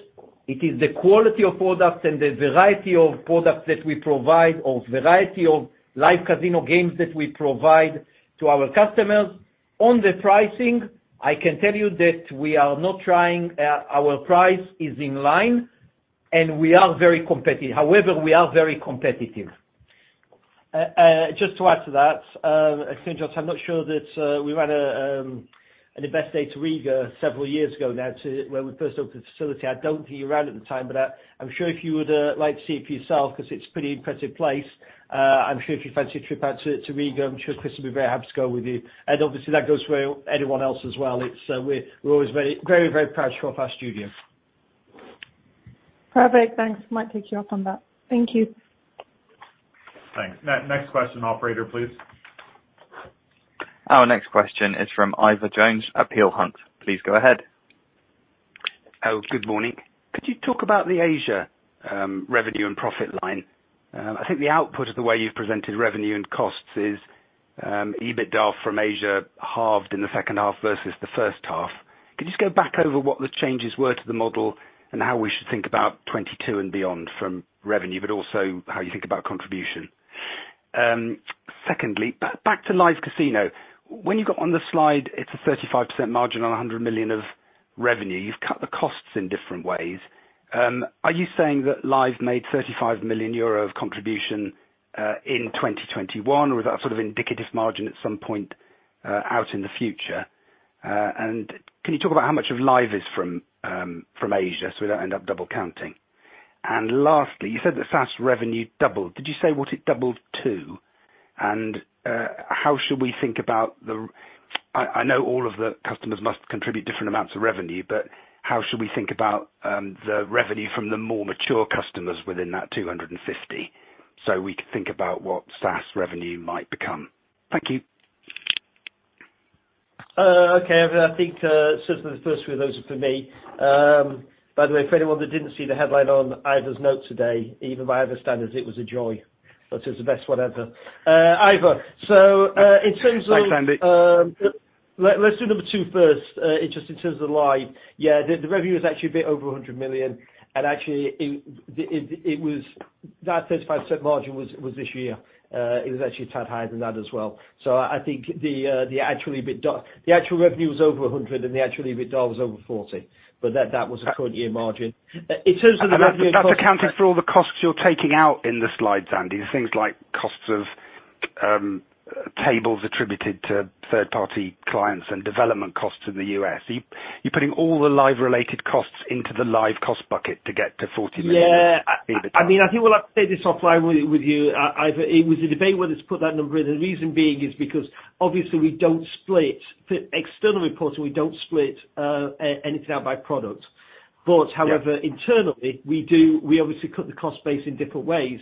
it is the quality of products and the variety of products that we provide or variety of live casino games that we provide to our customers. On the pricing, I think I can tell you that we are not trying... Our price is in line, and we are very competitive. Just to add to that, thanks, Josh. I'm not sure that we ran an investor tour in Riga several years ago now to when we first opened the facility. I don't think you were around at the time, but I'm sure if you would like to see it for yourself cause it's pretty impressive place. I'm sure if you fancy a trip out to Riga, I'm sure Chris would be very happy to go with you. And obviously that goes for anyone else as well. We're always very proud to show off our studio. Perfect. Thanks. Might take you up on that. Thank you. Thanks. Next question, operator, please. Our next question is from Ivor Jones at Peel Hunt. Please go ahead. Oh, good morning. Could you talk about the Asia revenue and profit line? I think the output of the way you've presented revenue and costs is EBITDA from Asia halved in the H2 versus the H1. Could you just go back over what the changes were to the model and how we should think about 2022 and beyond from revenue, but also how you think about contribution? Secondly, back to live casino. When you got on the slide, it's a 35% margin on 100 million of revenue. You've cut the costs in different ways. Are you saying that live made 35 million euro of contribution in 2021, or is that sort of indicative margin at some point out in the future? Can you talk about how much of live is from Asia so we don't end up double counting? Lastly, you said that SaaS revenue doubled. Did you say what it doubled to? How should we think about the I know all of the customers must contribute different amounts of revenue, but how should we think about the revenue from the more mature customers within that 250, so we can think about what SaaS revenue might become? Thank you. Okay. I think, so the first three of those are for me. By the way, for anyone that didn't see the headline on Ivor's note today, even by Ivor's standards, it was a joy. That was the best one ever. Ivor, in terms of- Thanks, Andy. Let's do number two first, just in terms of live. Yeah, the revenue is actually a bit over 100 million. Actually, it was that 35% margin was this year. It was actually a tad higher than that as well. I think the actual EBITDA. The actual revenue was over 100, and the actual EBITDA was over 40. That was a current year margin. In terms of the revenue- That's accounting for all the costs you're taking out in the slides, Andy, the things like costs of tables attributed to third-party clients and development costs in the U.S. You're putting all the live related costs into the live cost bucket to get to 40 million EBITDA. I mean, I think we'll have to take this offline with you. Ivor, it was a debate whether to put that number in. The reason being is because obviously we don't split. For external reporting, we don't split anything out by product. But however, internally we do. We obviously cut the cost base in different ways.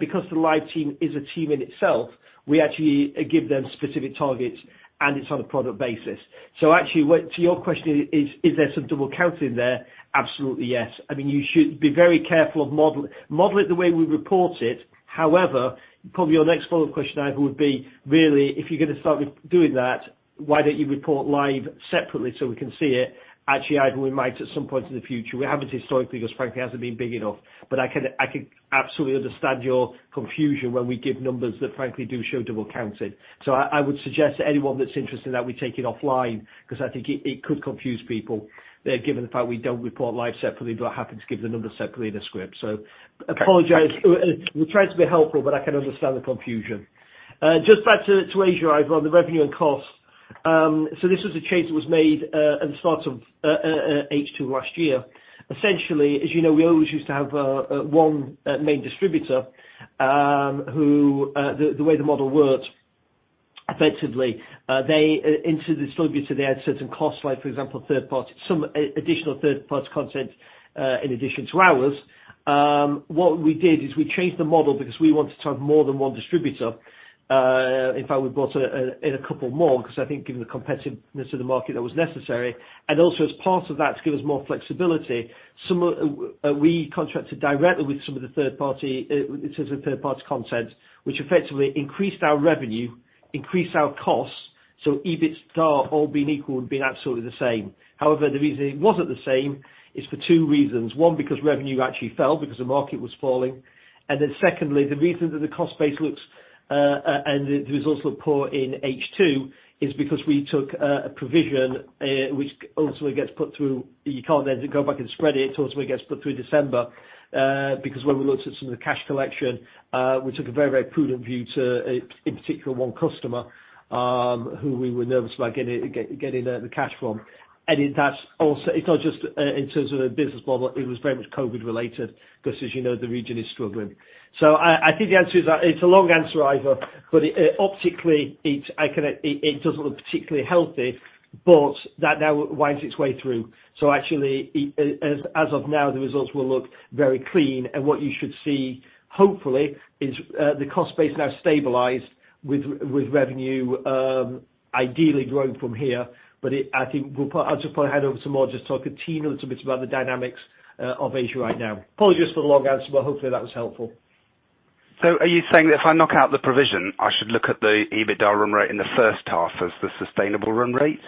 Because the live team is a team in itself, we actually give them specific targets, and it's on a product basis. So actually, to your question, is there some double counting there? Absolutely, yes. I mean, you should be very careful of model. Model it the way we report it. However, probably your next follow-up question, Ivor would be, really, if you're going to start with doing that, why don't you report live separately so we can see it? Actually, Ivor, we might at some point in the future. We haven't historically because frankly it hasn't been big enough. I can absolutely understand your confusion when we give numbers that frankly do show double counting. I would suggest to anyone that's interested in that, we take it offline because I think it could confuse people, given the fact we don't report live separately, but I happen to give the numbers separately in the script. I apologize. We're trying to be helpful, but I can understand the confusion. Just back to Asia, Ivor, the revenue and costs. This was a change that was made at the start of H2 last year. Essentially, as you know, we always used to have one main distributor. The way the model worked effectively, payments into the distributor. They had certain costs, like for example, third-party, some additional third-party content in addition to ours. What we did is we changed the model because we wanted to have more than one distributor. In fact, we brought in a couple more because I think given the competitiveness of the market, that was necessary. Also as part of that, to give us more flexibility, so we contracted directly with some of the third-party in terms of third-party content, which effectively increased our revenue, increased our costs, so EBITDAR all being equal, would have been absolutely the same. However, the reason it wasn't the same is for two reasons. One, because revenue actually fell because the market was falling. Then secondly, the reason that the cost base looks, and the results look poor in H2 is because we took a provision, which ultimately gets put through. You can't then go back and spread it ultimately gets put through December. Because when we looked at some of the cash collection, we took a very, very prudent view to, in particular one customer, who we were nervous about getting the cash from. In that also, it's not just in terms of the business model, it was very much COVID-related because as you know, the region is struggling. I think the answer is that it's a long answer, Ivor, but optically it doesn't look particularly healthy, but that now winds its way through. Actually, as of now, the results will look very clean. What you should see, hopefully, is the cost base now stabilized with revenue, ideally growing from here. I think I'll just hand over to Mor just to talk a teeny little bit about the dynamics of Asia right now. Apologies for the long answer, but hopefully that was helpful. Are you saying that if I knock out the provision, I should look at the EBITDAR run rate in the H1 as the sustainable run rate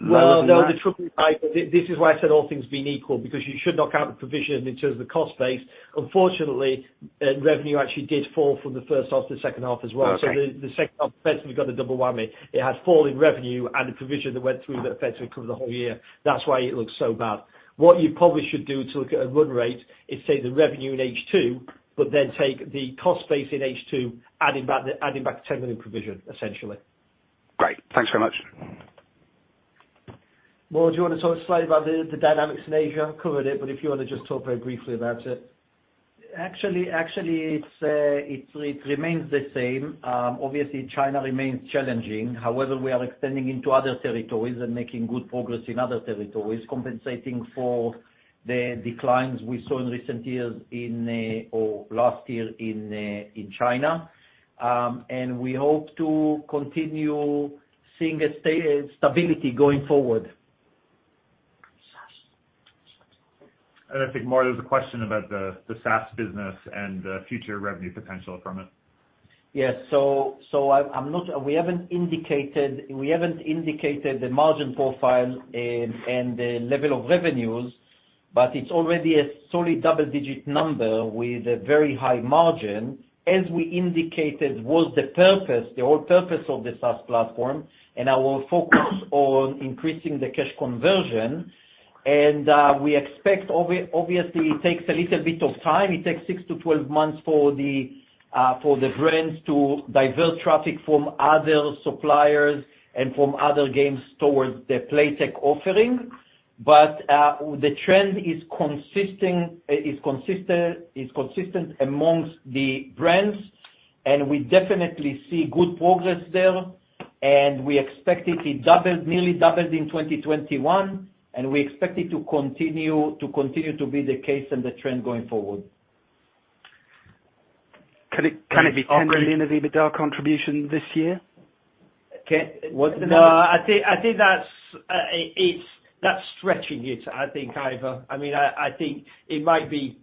rather than that? Well, no, the trouble is, Ivor, this is why I said all things being equal, because you should knock out the provision in terms of the cost base. Unfortunately, revenue actually did fall from the H1 to the H2 as well. Okay. The H2 effectively got the double whammy. It had fallen revenue and the provision that went through that effectively covered the whole year. That's why it looks so bad. What you probably should do to look at a run rate is take the revenue in H2, but then take the cost base in H2, adding back the 10 million provision, essentially. Great. Thanks very much. Mor, do you want to talk slightly about the dynamics in Asia? I've covered it, but if you want to just talk very briefly about it. Actually, it remains the same. Obviously China remains challenging. However, we are extending into other territories and making good progress in other territories, compensating for the declines we saw in recent years, or last year, in China. We hope to continue seeing stability going forward. I think, Mor, there was a question about the SaaS business and the future revenue potential from it. Yes. We haven't indicated the margin profile and the level of revenues, but it's already a solidly double-digit number with a very high margin, as we indicated was the purpose, the whole purpose of the SaaS platform, and our focus on increasing the cash conversion. We expect, obviously, it takes a little bit of time. It takes 6-12 months for the brands to divert traffic from other suppliers and from other games towards the Playtech offering. The trend is consistent amongst the brands, and we definitely see good progress there. We expect it to double, nearly double in 2021, and we expect it to continue to be the case and the trend going forward. Can it be 10 million of EBITDAR contribution this year? No, I think that's stretching it, I think, Ivor. I mean, I think it might be.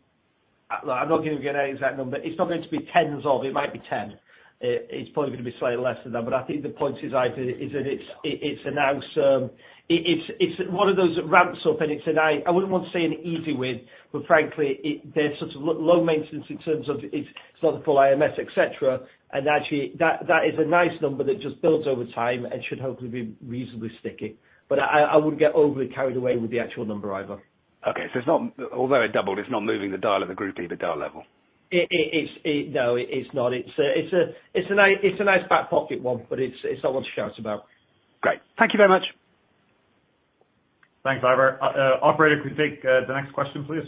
Look, I'm not going to give you an exact number. It's not going to be tens of it might be 10. It's probably going to be slightly less than that. But I think the point is, Ivor, is that it's now. It's one of those that ramps up and I wouldn't want to say an easy win, but frankly, there's sort of low maintenance in terms of it's not a full IMS, et cetera. Actually, that is a nice number that just builds over time and should hopefully be reasonably sticky. But I wouldn't get overly carried away with the actual number, Ivor. Although it doubled, it's not moving the dial at the group EBITDAR level. No, it's not. It's a nice back pocket one, but it's not one to shout about. Great. Thank you very much. Thanks, Ivor. Operator, could you take the next question, please?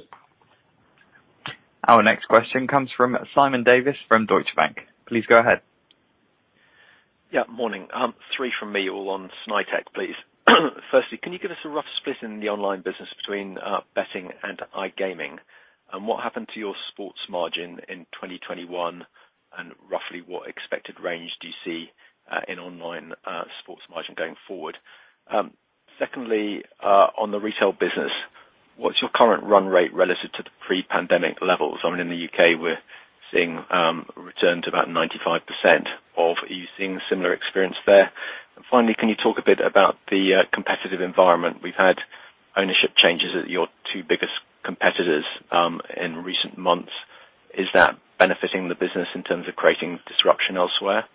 Our next question comes from Simon Davies from Deutsche Bank. Please go ahead. Morning. Three from me all on Snaitech, please. Firstly, can you give us a rough split in the online business between betting and iGaming? What happened to your sports margin in 2021, and roughly what expected range do you see in online sports margin going forward? Secondly, on the retail business, what's your current run rate relative to the pre-pandemic levels? I mean, in the U.K. we're seeing a return to about 95% of usual similar experience there. Finally, can you talk a bit about the competitive environment? We've had ownership changes at your two biggest competitors in recent months. Is that benefiting the business in terms of creating disruption elsewhere?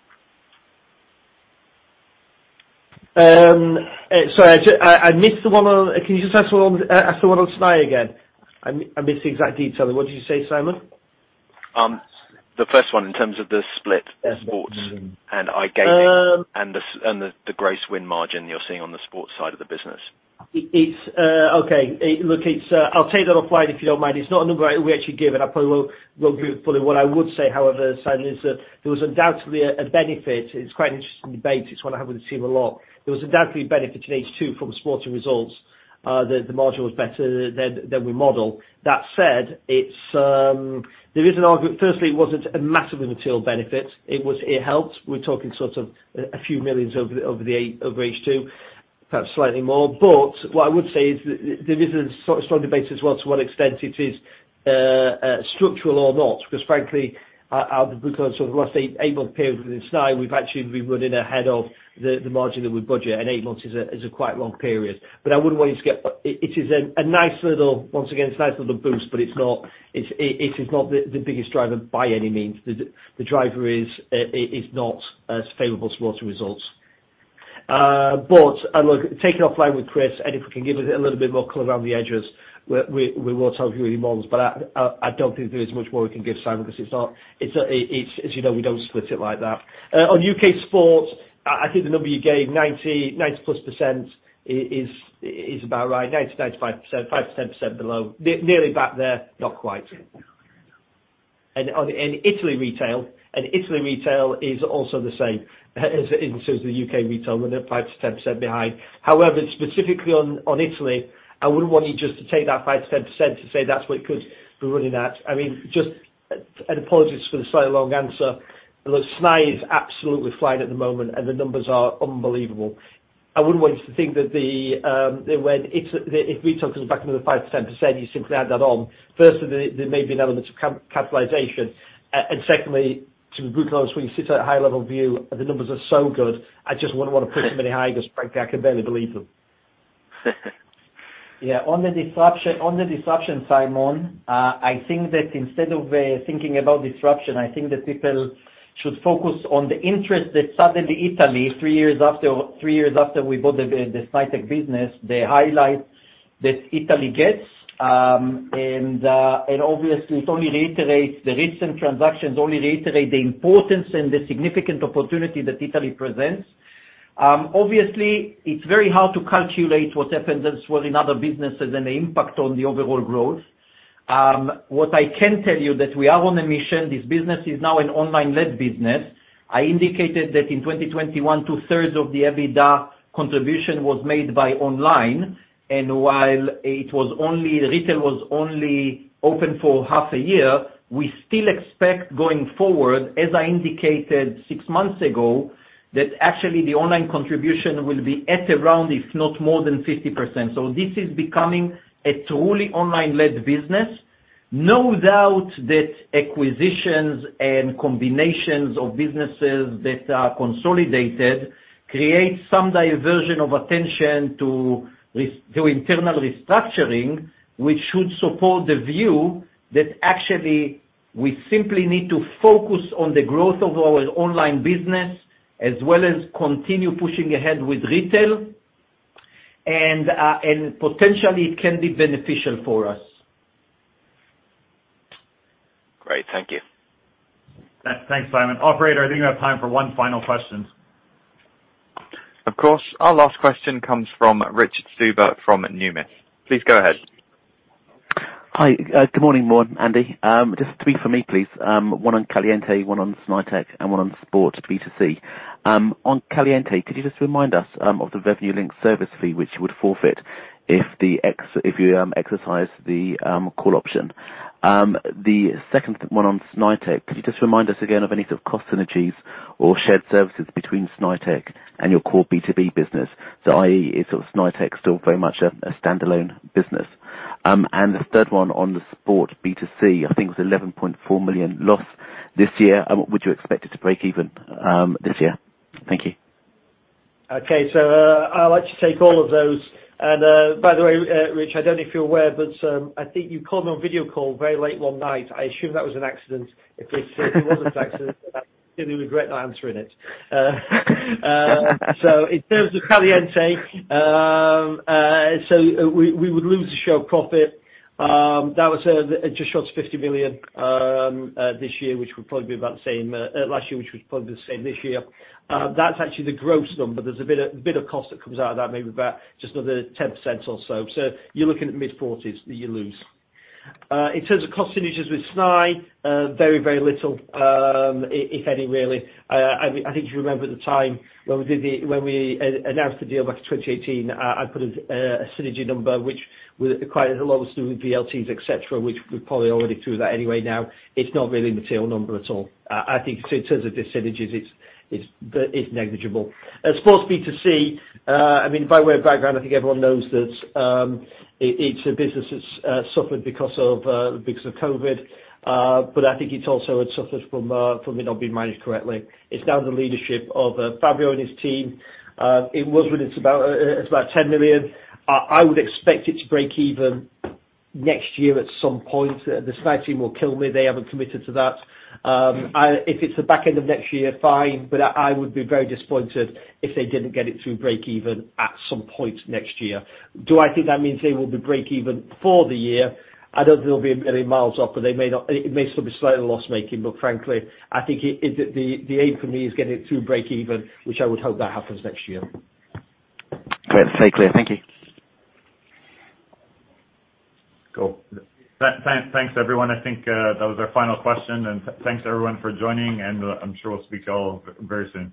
Sorry, I missed the one on Snai. Can you just ask the one on Snai again? I missed the exact detail. What did you say, Simon? The first one in terms of the split. Yeah. in sports and iGaming. Um- The gross win margin you're seeing on the sports side of the business. It's okay. Look, I'll take that offline if you don't mind. It's not a number we actually give, and I probably will give it fully. What I would say, however, Simon, is that there was undoubtedly a benefit. It's quite an interesting debate. It's one I have with the team a lot. There was undoubtedly benefit in H2 from sporting results. The model was better than we modeled. That said, there is an argument. Firstly, it wasn't a massively material benefit. It was. It helped. We're talking sort of a few million over H2, perhaps slightly more. What I would say is that there is a strong debate as well to what extent it is structural or not, because frankly, our Because sort of the last eight-month period within Snai, we've actually been running ahead of the margin that we budget, and eight months is a quite long period. I wouldn't want it. It is a nice little boost once again, but it's not the biggest driver by any means. The driver is not as favorable sporting results. Look, take it offline with Chris, and if we can give it a little bit more color around the edges, we will tell you the models. I don't think there is much more we can give, Simon, because it's not, it's as you know, we don't split it like that. On UK sports, I think the number you gave, 90%+, is about right. 90%-95%, 5%-10% below. Nearly back there, not quite. In Italy retail, in Italy retail is also the same as the UK retail. We're at 5%-10% behind. However, specifically on Italy, I wouldn't want you just to take that 5%-10% to say that's what it could be running at. I mean, apologies for the slightly long answer. Look, Snai is absolutely flying at the moment, and the numbers are unbelievable. I wouldn't want you to think that if retail comes back another 5%-10%, you simply add that on. Firstly, there may be an element of cannibalization. Secondly, to be brutally honest, when you sit at a high level view, the numbers are so good, I just wouldn't want to put too many high because frankly I can barely believe them. On the disruption, Simon, I think that instead of thinking about disruption, I think the people should focus on the interest that suddenly Italy, three years after we bought the Snaitech business, the highlight that Italy gets. Obviously it only reiterates the recent transactions and the importance and the significant opportunity that Italy presents. Obviously it's very hard to calculate what happens as well in other businesses and the impact on the overall growth. What I can tell you that we are on a mission. This business is now an online-led business. I indicated that in 2021, two-thirds of the EBITDA contribution was made by online. While retail was only open for half a year, we still expect going forward, as I indicated six months ago, that actually the online contribution will be at around, if not more than 50%. This is becoming a truly online-led business. No doubt that acquisitions and combinations of businesses that are consolidated creates some diversion of attention to internal restructuring, which should support the view that actually we simply need to focus on the growth of our online business as well as continue pushing ahead with retail and potentially it can be beneficial for us. Great. Thank you. Thanks, Simon. Operator, I think we have time for one final question. Of course. Our last question comes from Richard Stuber from Numis. Please go ahead. Hi. Good morning, Mor, Andy. Just three for me, please. One on Caliente, one on Snaitech, and one on sport B2C. On Caliente, could you just remind us of the revenue link service fee which you would forfeit if you exercise the call option? The second one on Snaitech, could you just remind us again of any sort of cost synergies or shared services between Snaitech and your core B2B business? I.e., is Snaitech still very much a standalone business? And the third one on the sport B2C, I think it was 11.4 million loss this year. Would you expect it to break even this year? Thank you. Okay. I'd like to take all of those. By the way, Rich, I don't know if you're aware, but I think you called me on video call very late one night. I assume that was an accident. If it wasn't an accident, I really regret not answering it. In terms of Caliente, we would lose the share profit that was just short of 50 million this year, which would probably be about the same last year, which would probably be the same this year. That's actually the gross number. There's a bit of cost that comes out of that, maybe about just another 10% or so. You're looking at mid-40s that you lose. In terms of cost synergies with Snai, very little, if any, really. I think you remember at the time when we announced the deal back in 2018, I put a synergy number which required a lot of VLTs, et cetera, which we're probably already through that anyway now. It's not really a material number at all. I think in terms of the synergies, it's negligible. As far as B2C, I mean, by way of background, I think everyone knows that, it's a business that's suffered because of COVID, but I think it's also had suffered from it not being managed correctly. It's now under the leadership of Fabio and his team. It was running at about 10 million. I would expect it to break even next year at some point. The Snai team will kill me. They haven't committed to that. If it's the back end of next year, fine, but I would be very disappointed if they didn't get it to break even at some point next year. Do I think that means they will be breaking even for the year? I don't think it'll be any miles off, but they may not, it may still be slightly loss-making, but frankly, I think the aim for me is getting it to break even, which I would hope that happens next year. Great. Stay clear. Thank you. Cool. Thanks everyone. I think that was our final question, and thanks everyone for joining, and I'm sure we'll speak to you all very soon.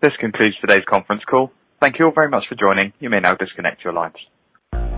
This concludes today's conference call. Thank you all very much for joining. You may now disconnect your lines.